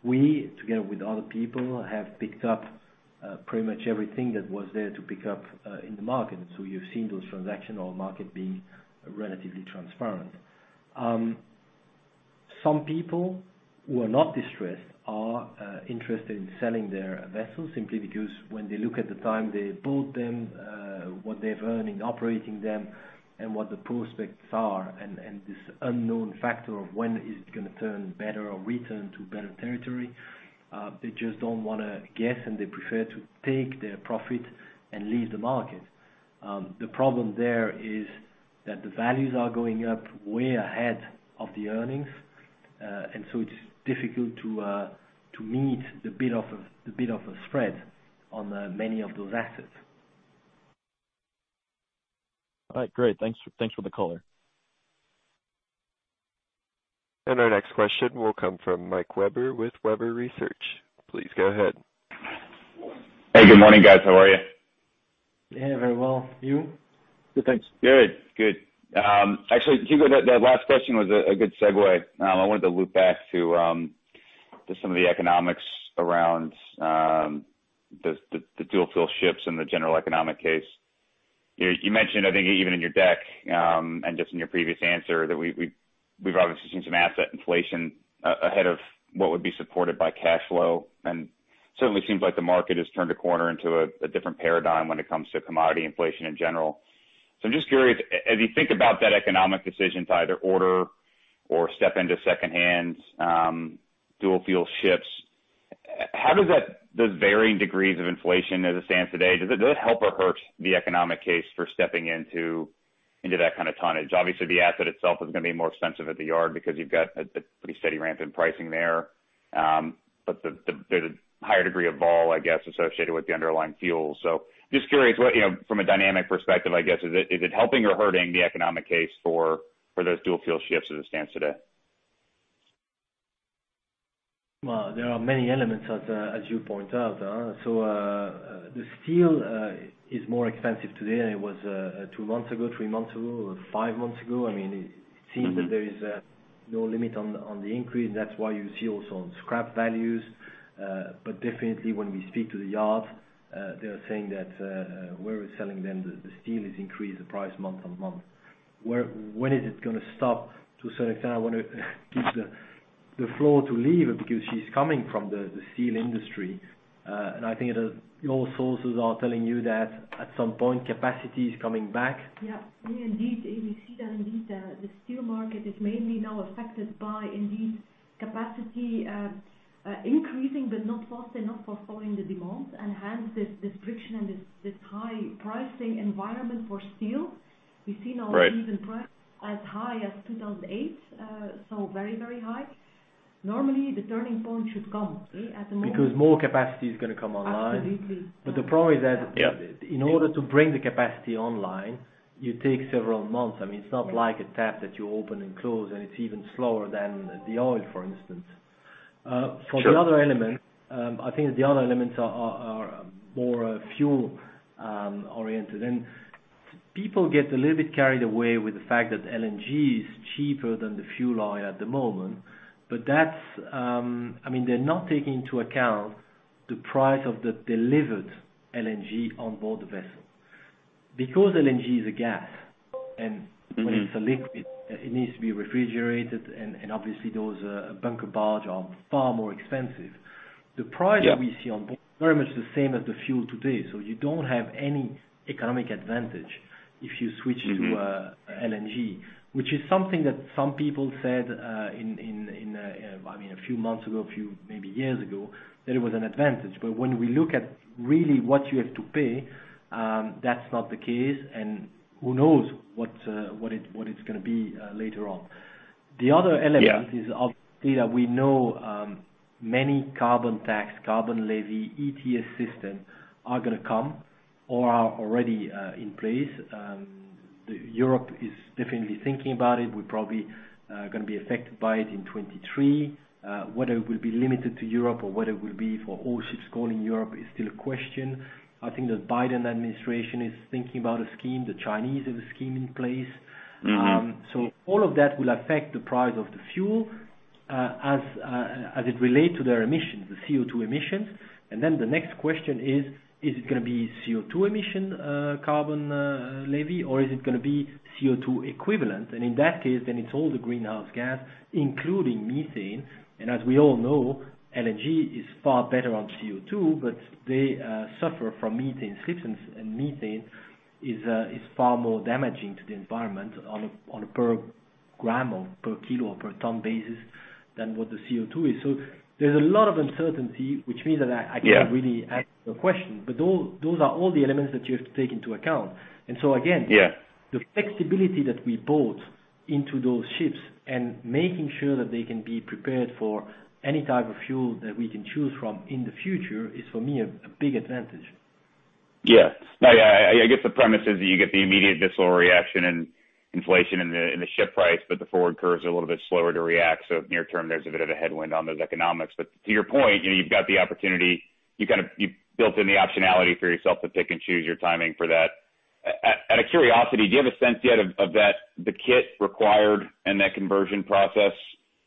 We, together with other people, have picked up pretty much everything that was there to pick up in the market. You've seen those transactional market being relatively transparent. Some people who are not distressed are interested in selling their vessels simply because when they look at the time they bought them, what they've earned in operating them, and what the prospects are, and this unknown factor of when is it going to turn better or return to better territory, they just don't want to guess, and they prefer to take their profit and leave the market. The problem there is that the values are going up way ahead of the earnings, and so it is difficult to meet the bid-offer spread on many of those assets. All right, great. Thanks for the color. Our next question will come from Mike Webber with Webber Research. Please go ahead. Hey, good morning, guys. How are you? Yeah, very well. You? Good, thanks. Good. Actually, Hugo, that last question was a good segue. I wanted to loop back to some of the economics around the dual-fuel ships and the general economic case. You mentioned, I think even in your deck, and just in your previous answer, that we've obviously seen some asset inflation ahead of what would be supported by cash flow, and certainly seems like the market has turned a corner into a different paradigm when it comes to commodity inflation in general. I'm just curious, as you think about that economic decision to either order or step into second-hand dual-fuel ships, how does that, those varying degrees of inflation as it stands today, does it help or hurt the economic case for stepping into that kind of tonnage? Obviously, the asset itself is going to be more expensive at the yard because you've got a pretty steady ramp in pricing there. There's a higher degree of vol, I guess, associated with the underlying fuel. Just curious what, from a dynamic perspective, I guess, is it helping or hurting the economic case for those dual-fuel ships as it stands today? There are many elements as you point out. The steel is more expensive today than it was two months ago, three months ago, or five months ago. It seems that there is no limit on the increase. That's why you see also on scrap values. Definitely when we speak to the yard, they're saying that where we're selling them, the steel has increased the price month on month. When is it going to stop? To a certain extent, I want to give the floor to Lieve, because she's coming from the steel industry. I think all sources are telling you that at some point, capacity is coming back. Indeed. We see that indeed, the steel market is mainly now affected by, indeed, capacity increasing, but not fast enough for following the demand. Hence this friction and this high pricing environment for steel. Right even prices as high as 2008, so very, very high. Normally, the turning point should come at the moment. More capacity is going to come online. Absolutely. But the problem is that- Yeah in order to bring the capacity online, you take several months. I mean, it's not like a tap that you open and close, and it's even slower than the oil, for instance. Sure. For the other elements, I think the other elements are more fuel oriented, and people get a little bit carried away with the fact that LNG is cheaper than the fuel oil at the moment. They're not taking into account the price of the delivered LNG on board the vessel. Because LNG is a gas, and when it's a liquid, it needs to be refrigerated, and obviously those bunker barge are far more expensive. The price that we see on board is very much the same as the fuel today. You don't have any economic advantage if you switch to LNG, which is something that some people said a few months ago, a few maybe years ago, that it was an advantage. When we look at really what you have to pay, that's not the case, and who knows what it's going to be later on. The other element is obviously that we know many carbon tax, carbon levy, ETS system are going to come or are already in place. Europe is definitely thinking about it, will probably going to be affected by it in 2023. Whether it will be limited to Europe or whether it will be for all ships going in Europe is still a question. I think the Biden administration is thinking about a scheme. The Chinese have a scheme in place. All of that will affect the price of the fuel, as it relate to their emissions, the CO2 emissions. The next question is it going to be CO2 emission carbon levy, or is it going to be CO2 equivalent? In that case, it's all the greenhouse gas, including methane. As we all know, LNG is far better on CO2, but they suffer from methane slips, and methane is far more damaging to the environment on a per gram or per kilo or per ton basis than what the CO2 is. There's a lot of uncertainty, which means that I can't really answer your question. Those are all the elements that you have to take into account. Again. Yeah The flexibility that we bought into those ships and making sure that they can be prepared for any type of fuel that we can choose from in the future is, for me, a big advantage. Yeah. I get the premise is that you get the immediate visceral reaction and inflation in the ship price, but the forward curve is a little bit slower to react. Near term, there's a bit of a headwind on those economics. To your point, you've got the opportunity. You built in the optionality for yourself to pick and choose your timing for that. Out of curiosity, do you have a sense yet of that, the kit required in that conversion process,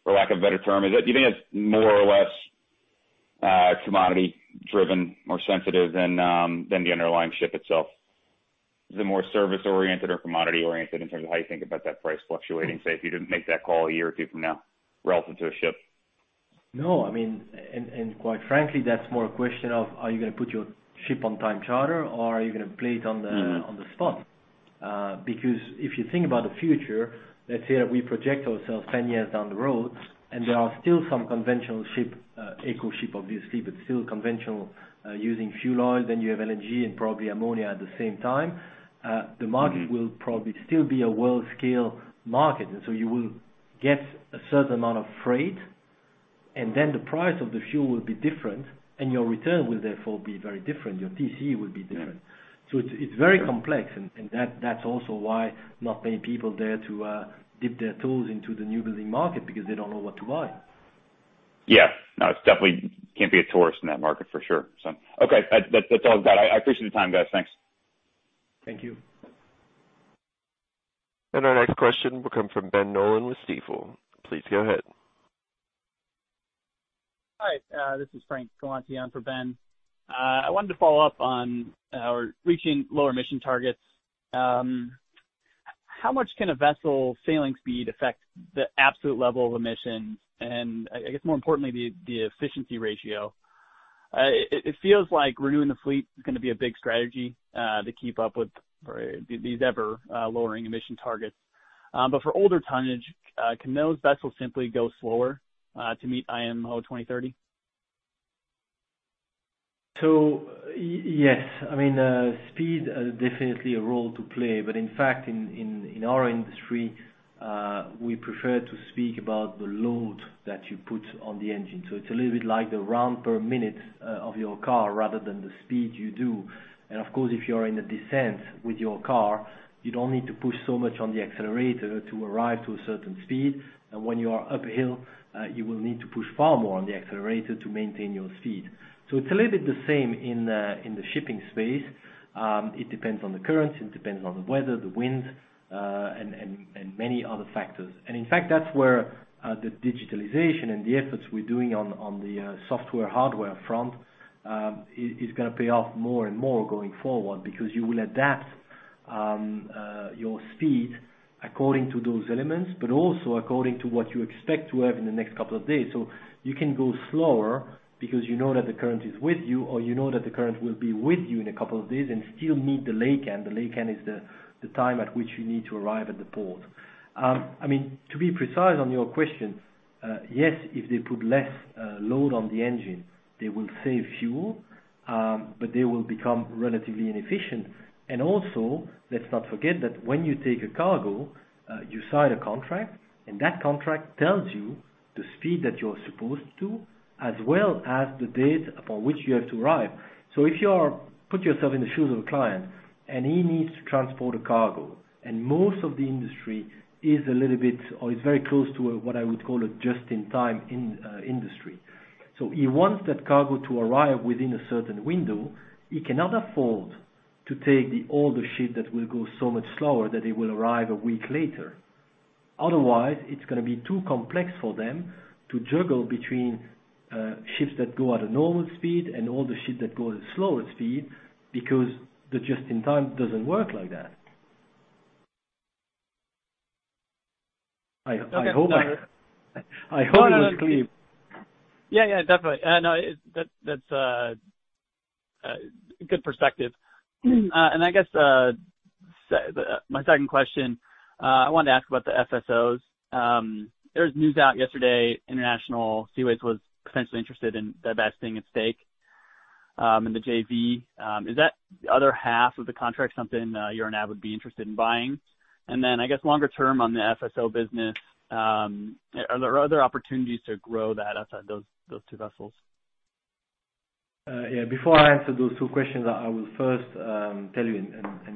for lack of a better term? Do you think it's more or less commodity driven, more sensitive than the underlying ship itself? Is it more service oriented or commodity oriented in terms of how you think about that price fluctuating, say, if you didn't make that call a year or two from now relative to a ship? No. Quite frankly, that's more a question of are you going to put your ship on time charter or are you going to play it on the spot? If you think about the future, let's say that we project ourselves 10 years down the road, and there are still some conventional ship, eco ship, obviously, but still conventional, using fuel oil, then you have LNG and probably ammonia at the same time. The market will probably still be a Worldscale market. You will get a certain amount of freight, and then the price of the fuel will be different, and your return will therefore be very different. Your TC will be different. It's very complex, and that's also why not many people dare to dip their toes into the new building market, because they don't know what to buy. Yeah. No, it definitely can't be a tourist in that market for sure. Okay. That's all I've got. I appreciate the time, guys. Thanks. Thank you. Our next question will come from Ben Nolan with Stifel. Please go ahead. Hi, this is Frank Galanti on for Ben. I wanted to follow up on reaching lower emission targets. How much can a vessel sailing speed affect the absolute level of emission and I guess more importantly, the efficiency ratio? It feels like renewing the fleet is going to be a big strategy to keep up with these ever lowering emission targets. For older tonnage, can those vessels simply go slower to meet IMO 2030? Yes. Speed has definitely a role to play. In fact, in our industry, we prefer to speak about the load that you put on the engine. It's a little bit like the round per minute of your car rather than the speed you do. Of course, if you are in a descent with your car, you don't need to push so much on the accelerator to arrive to a certain speed. When you are uphill, you will need to push far more on the accelerator to maintain your speed. It's a little bit the same in the shipping space. It depends on the current, it depends on the weather, the wind, and many other factors. In fact, that's where the digitalization and the efforts we're doing on the software/hardware front, is going to pay off more and more going forward because you will adapt your speed according to those elements, but also according to what you expect to have in the next couple of days. You can go slower because you know that the current is with you, or you know that the current will be with you in a couple of days and still meet the laycan. The laycan is the time at which you need to arrive at the port. To be precise on your question, yes, if they put less load on the engine, they will save fuel, but they will become relatively inefficient. Also, let's not forget that when you take a cargo, you sign a contract, and that contract tells you the speed that you are supposed to, as well as the date upon which you have to arrive. Put yourself in the shoes of a client, and he needs to transport a cargo, and most of the industry is a little bit, or is very close to what I would call a just-in-time industry. He wants that cargo to arrive within a certain window. He cannot afford to take the older ship that will go so much slower that it will arrive a week later. Otherwise, it's going to be too complex for them to juggle between ships that go at a normal speed and the older ship that goes at slower speed because the just-in-time doesn't work like that. I hope it was clear. Yeah, definitely. That's a good perspective. I guess, my second question, I wanted to ask about the FSOs. There was news out yesterday, International Seaways was potentially interested in divesting its stake, and the JV. Is that other half of the contract something Euronav would be interested in buying? I guess, longer term on the FSO business, are there other opportunities to grow that outside those two vessels? Before I answer those two questions, I will first tell you,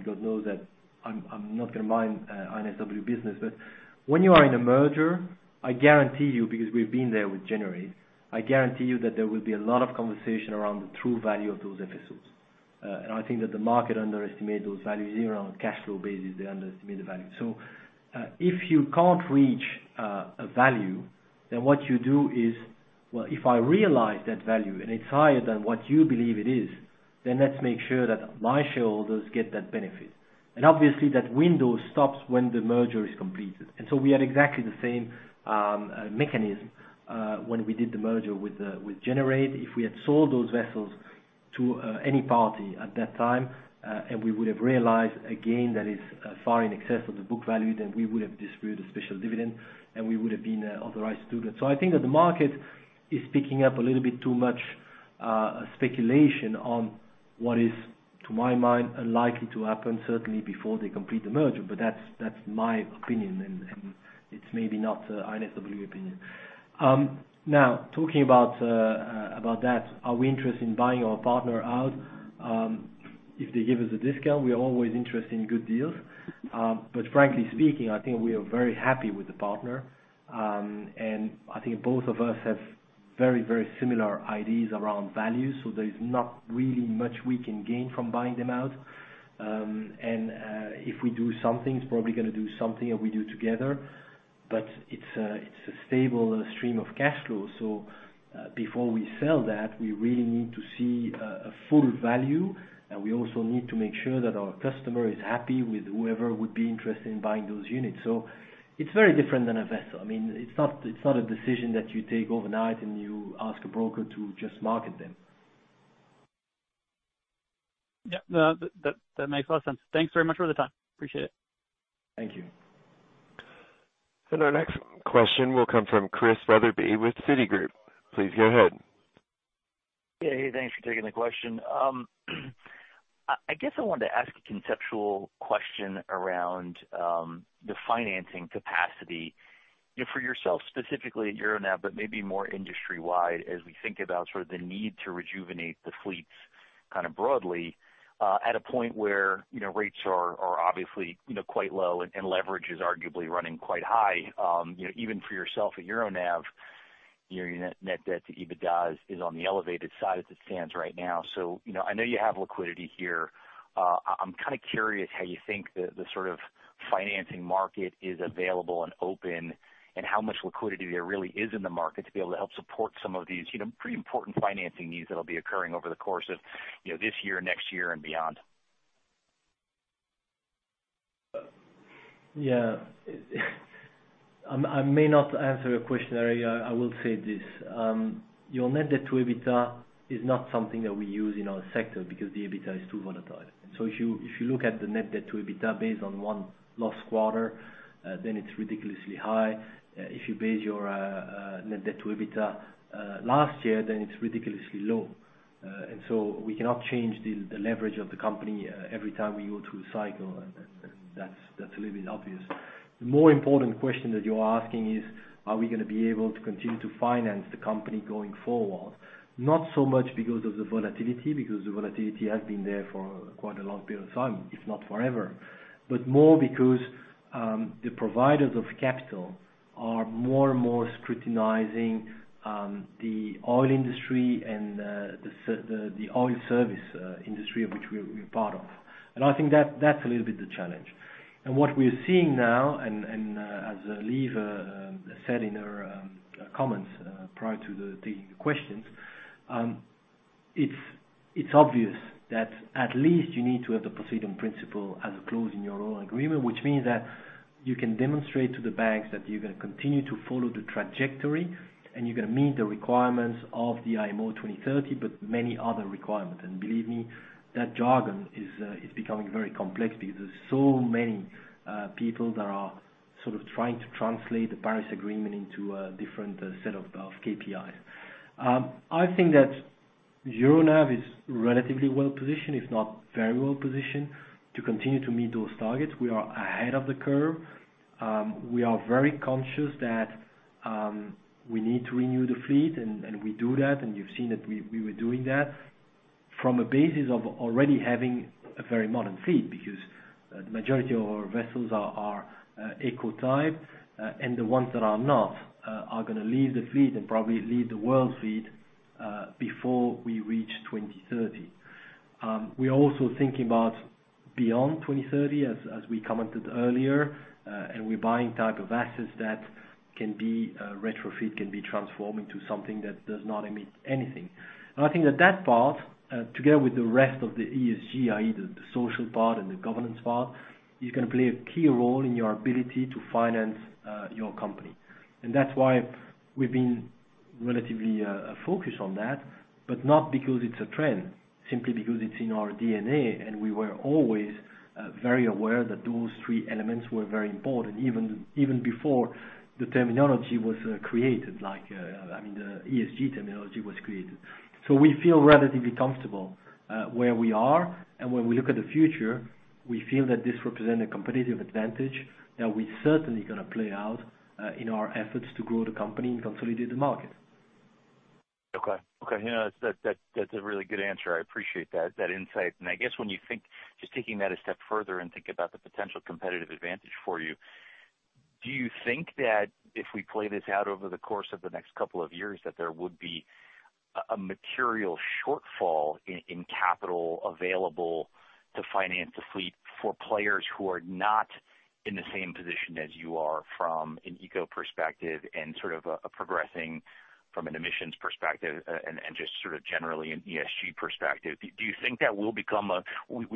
God knows that I'm not going to mind INSW business, when you are in a merger, I guarantee you, because we've been there with Gener8, I guarantee you that there will be a lot of conversation around the true value of those assets. I think that the market underestimate those values even on a cash flow basis, they underestimate the value. If you can't reach a value, what you do is, well, if I realize that value and it's higher than what you believe it is, let's make sure that my shareholders get that benefit. Obviously, that window stops when the merger is completed. So we had exactly the same mechanism, when we did the merger with Gener8. If we had sold those vessels to any party at that time, and we would have realized a gain that is far in excess of the book value, then we would have distributed a special dividend, and we would have been authorized to do that. I think that the market is picking up a little bit too much speculation on what is, to my mind, unlikely to happen certainly before they complete the merger. That's my opinion, and it's maybe not INSW opinion. Now, talking about that, are we interested in buying our partner out? If they give us a discount, we are always interested in good deals. Frankly speaking, I think we are very happy with the partner. I think both of us have very similar ideas around value, so there is not really much we can gain from buying them out. If we do something, it's probably going to do something that we do together, but it's a stable stream of cash flow. Before we sell that, we really need to see a full value, and we also need to make sure that our customer is happy with whoever would be interested in buying those units. It's very different than a vessel. It's not a decision that you take overnight, and you ask a broker to just market them. Yeah. No, that makes a lot of sense. Thanks very much for the time. Appreciate it. Thank you. Our next question will come from Chris Wetherbee with Citigroup. Please go ahead. Yeah. Hey, thanks for taking the question. I guess I wanted to ask a conceptual question around the financing capacity for yourself, specifically at Euronav, but maybe more industry-wide as we think about sort of the need to rejuvenate the fleets. Kind of broadly, at a point where rates are obviously quite low and leverage is arguably running quite high even for yourself at Euronav, your net debt to EBITDA is on the elevated side as it stands right now. I know you have liquidity here. I'm kind of curious how you think the sort of financing market is available and open, and how much liquidity there really is in the market to be able to help support some of these pretty important financing needs that'll be occurring over the course of this year, next year and beyond. Yeah. I may not answer your question, Chris. I will say this. Your net debt to EBITDA is not something that we use in our sector because the EBITDA is too volatile. If you look at the net debt to EBITDA based on one last quarter, it is ridiculously high. If you base your net debt to EBITDA last year, it is ridiculously low. We cannot change the leverage of the company every time we go through a cycle. That is a little bit obvious. The more important question that you are asking is, are we going to be able to continue to finance the company going forward? Not so much because of the volatility, because the volatility has been there for quite a long period of time, if not forever, but more because, the providers of capital are more and more scrutinizing the oil industry and the oil service industry, of which we're part of. I think that's a little bit the challenge. What we are seeing now, and as Lieve said in her comments prior to the questions, it's obvious that at least you need to have the Poseidon Principles as a clause in your loan agreement, which means that you can demonstrate to the banks that you're going to continue to follow the trajectory, and you're going to meet the requirements of the IMO 2030, but many other requirements. Believe me, that jargon is becoming very complex because there's so many people that are sort of trying to translate the Paris Agreement into a different set of KPI. I think that Euronav is relatively well-positioned, if not very well-positioned, to continue to meet those targets. We are ahead of the curve. We are very conscious that we need to renew the fleet, we do that, and you've seen that we were doing that from a basis of already having a very modern fleet because the majority of our vessels are eco type. The ones that are not are going to leave the fleet and probably leave the world fleet before we reach 2030. We are also thinking about beyond 2030, as we commented earlier, we're buying type of assets that can be retrofit, can be transformed into something that does not emit anything. I think that that part, together with the rest of the ESG, i.e. the social part and the governance part, is going to play a key role in your ability to finance your company. That's why we've been relatively focused on that, but not because it's a trend, simply because it's in our DNA, and we were always very aware that those three elements were very important, even before the terminology was created, like the ESG terminology was created. We feel relatively comfortable where we are, and when we look at the future, we feel that this represents a competitive advantage that we certainly going to play out in our efforts to grow the company and consolidate the market. Okay. That's a really good answer. I appreciate that insight. I guess when you think, just taking that a step further and think about the potential competitive advantage for you, do you think that if we play this out over the course of the next couple of years, that there would be a material shortfall in capital available to finance a fleet for players who are not in the same position as you are from an eco perspective and sort of progressing from an emissions perspective and just sort of generally an ESG perspective? We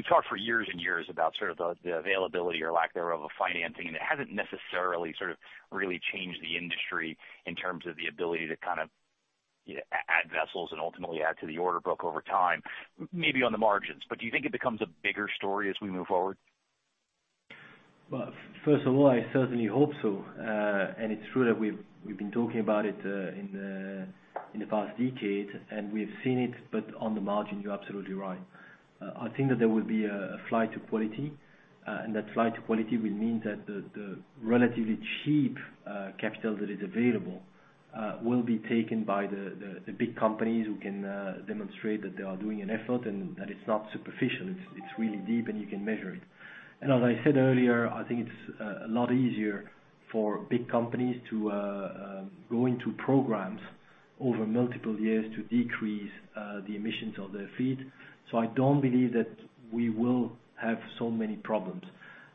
talked for years and years about sort of the availability or lack thereof of financing. It hasn't necessarily sort of really changed the industry in terms of the ability to kind of add vessels and ultimately add to the order book over time, maybe on the margins. Do you think it becomes a bigger story as we move forward? Well, first of all, I certainly hope so. It's true that we've been talking about it in the past decade, and we've seen it, but on the margin, you're absolutely right. I think that there will be a flight to quality, and that flight to quality will mean that the relatively cheap capital that is available will be taken by the big companies who can demonstrate that they are doing an effort and that it's not superficial, it's really deep, and you can measure it. As I said earlier, I think it's a lot easier for big companies to go into programs over multiple years to decrease the emissions of their fleet. I don't believe that we will have so many problems.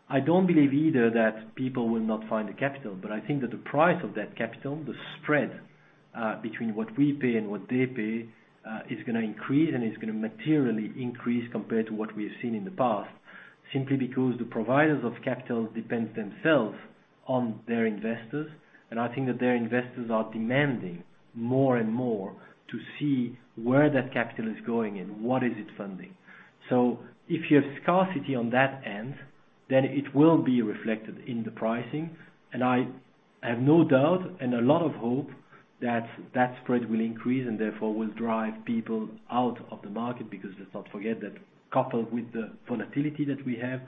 I don't believe either that people will not find the capital, but I think that the price of that capital, the spread between what we pay and what they pay, is going to increase and is going to materially increase compared to what we have seen in the past, simply because the providers of capital depend themselves on their investors, and I think that their investors are demanding more and more to see where that capital is going and what is it funding. If you have scarcity on that end, then it will be reflected in the pricing, and I have no doubt and a lot of hope that that spread will increase and therefore will drive people out of the market. Let's not forget that coupled with the volatility that we have,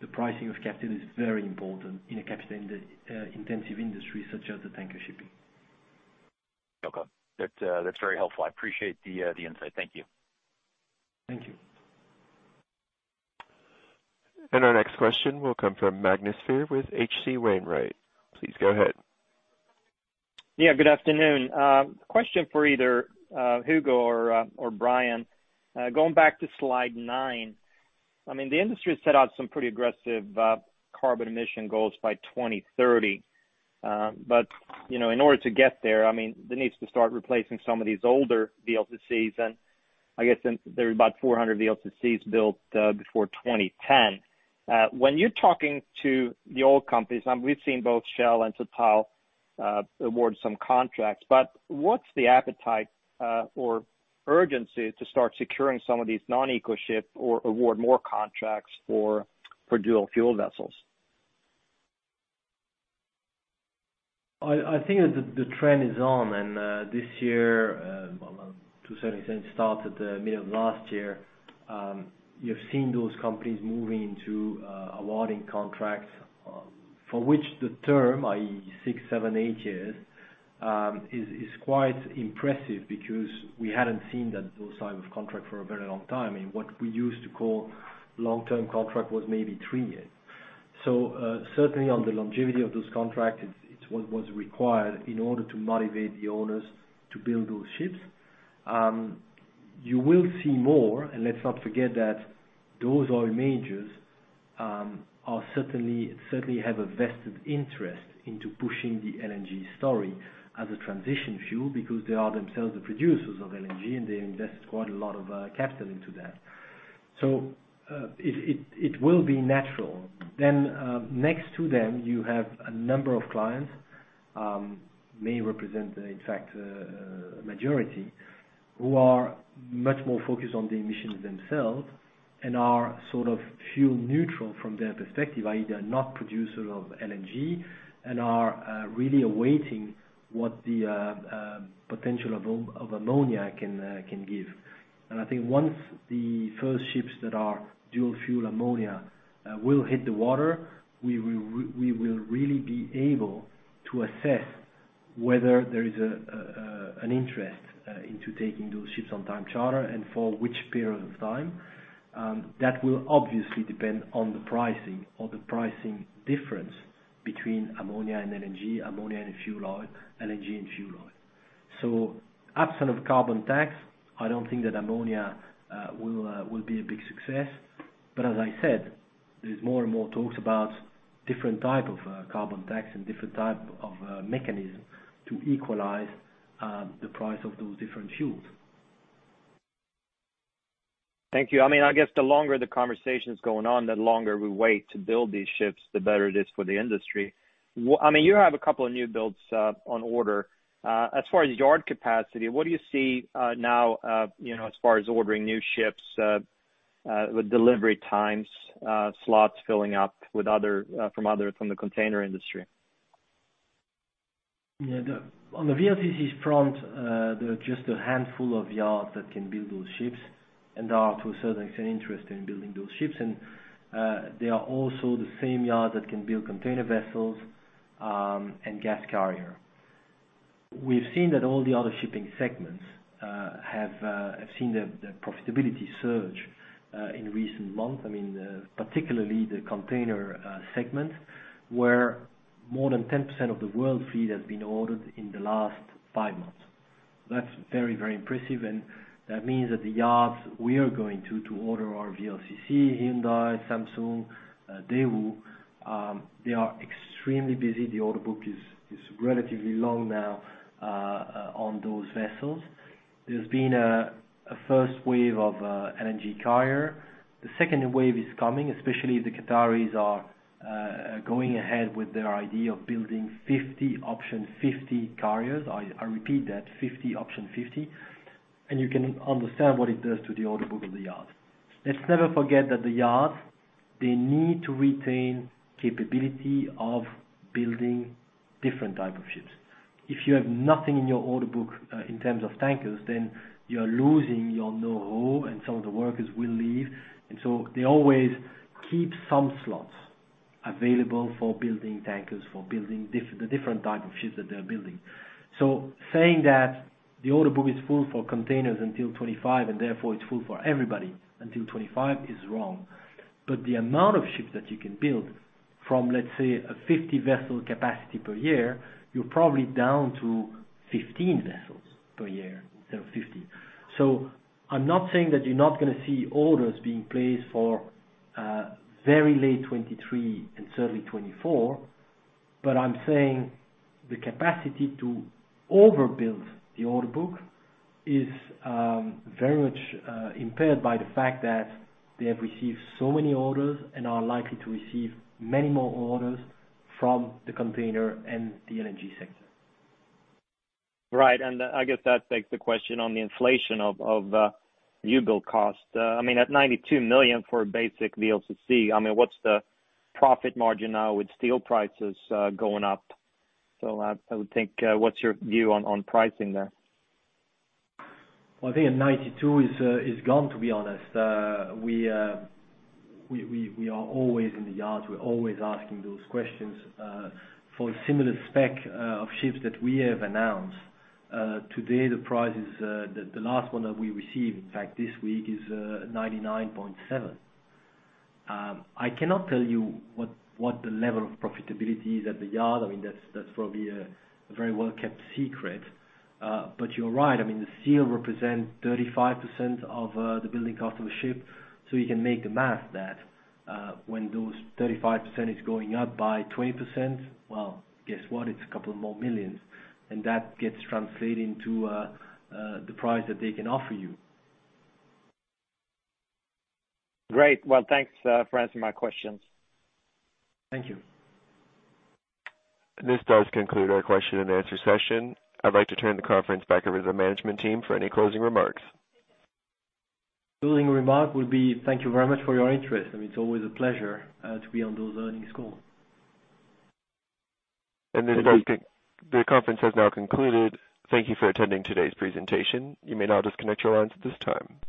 the pricing of capital is very important in a capital-intensive industry such as the tanker shipping. Okay. That is very helpful. I appreciate the insight. Thank you. Thank you. Our next question will come from Magnus Fyhr with H.C. Wainwright. Please go ahead. Yeah, good afternoon. Question for either Hugo or Brian. Going back to slide nine, the industry has set out some pretty aggressive carbon emission goals by 2030. In order to get there needs to start replacing some of these older VLCCs, and I guess there are about 400 VLCCs built before 2010. When you're talking to the oil companies, and we've seen both Shell and TotalEnergies award some contracts, but what's the appetite or urgency to start securing some of these non-eco ships or award more contracts for dual-fuel vessels? I think that the trend is on. This year, well, to a certain extent, it started the middle of last year, you've seen those companies moving to awarding contracts for which the term, i.e., six, seven, eight years, is quite impressive because we hadn't seen those type of contract for a very long time. What we used to call long-term contract was maybe three years. Certainly on the longevity of those contracts, it was required in order to motivate the owners to build those ships. You will see more. Let's not forget that those oil majors certainly have a vested interest into pushing the LNG story as a transition fuel because they are themselves the producers of LNG, they invest quite a lot of capital into that. It will be natural. Next to them, you have a number of clients, may represent in fact a majority, who are much more focused on the emissions themselves and are sort of fuel neutral from their perspective, i.e., they are not producer of LNG and are really awaiting what the potential of ammonia can give. I think once the first ships that are dual-fuel ammonia will hit the water, we will really be able to assess whether there is an interest into taking those ships on time charter and for which period of time. That will obviously depend on the pricing or the pricing difference between ammonia and LNG, ammonia and fuel oil, LNG and fuel oil. Absent of carbon tax, I don't think that ammonia will be a big success. As I said, there's more and more talks about different type of carbon tax and different type of mechanism to equalize the price of those different fuels. Thank you. I guess the longer the conversation's going on, the longer we wait to build these ships, the better it is for the industry. You have a couple of new builds on order. As far as yard capacity, what do you see now as far as ordering new ships, with delivery times, slots filling up from the container industry? On the VLCC front, there are just a handful of yards that can build those ships. There are, to a certain extent, interest in building those ships. They are also the same yards that can build container vessels and gas carrier. We've seen that all the other shipping segments have seen the profitability surge in recent months. Particularly the container segment, where more than 10% of the world fleet has been ordered in the last five months. That's very, very impressive. That means that the yards we are going to order our VLCC, Hyundai, Samsung, Daewoo, they are extremely busy. The order book is relatively long now on those vessels. There's been a first wave of LNG carrier. The second wave is coming, especially the Qataris are going ahead with their idea of building 50 option 50 carriers. I repeat that, 50 option 50. You can understand what it does to the order book of the yards. Let's never forget that the yards, they need to retain capability of building different type of ships. If you have nothing in your order book in terms of tankers, then you're losing your know-how, and some of the workers will leave. They always keep some slots available for building tankers, for building the different type of ships that they're building. Saying that the order book is full for containers until 2025, and therefore it's full for everybody until 2025, is wrong. The amount of ships that you can build from, let's say, a 50-vessel capacity per year, you're probably down to 15 vessels per year instead of 50. I'm not saying that you're not going to see orders being placed for very late 2023 and certainly 2024, but I'm saying the capacity to overbuild the order book is very much impaired by the fact that they have received so many orders and are likely to receive many more orders from the container and the LNG sector. Right. I guess that begs the question on the inflation of new build cost. At 92 million for a basic VLCC, what's the profit margin now with steel prices going up? I would think, what's your view on pricing there? Well, I think the 92 is gone, to be honest. We are always in the yards. We're always asking those questions. For a similar spec of ships that we have announced, today the price is, the last one that we received, in fact, this week, is 99.7. I cannot tell you what the level of profitability is at the yard. That's probably a very well-kept secret. You're right, the steel represents 35% of the building cost of a ship, so you can make the math that when those 35% is going up by 20%, well, guess what? It's a couple more millions. That gets translated into the price that they can offer you. Great. Well, thanks for answering my questions. Thank you. This does conclude our question and answer session. I'd like to turn the conference back over to the management team for any closing remarks. Closing remark would be thank you very much for your interest. It's always a pleasure to be on those earnings calls. The conference has now concluded. Thank you for attending today's presentation. You may now disconnect your lines at this time.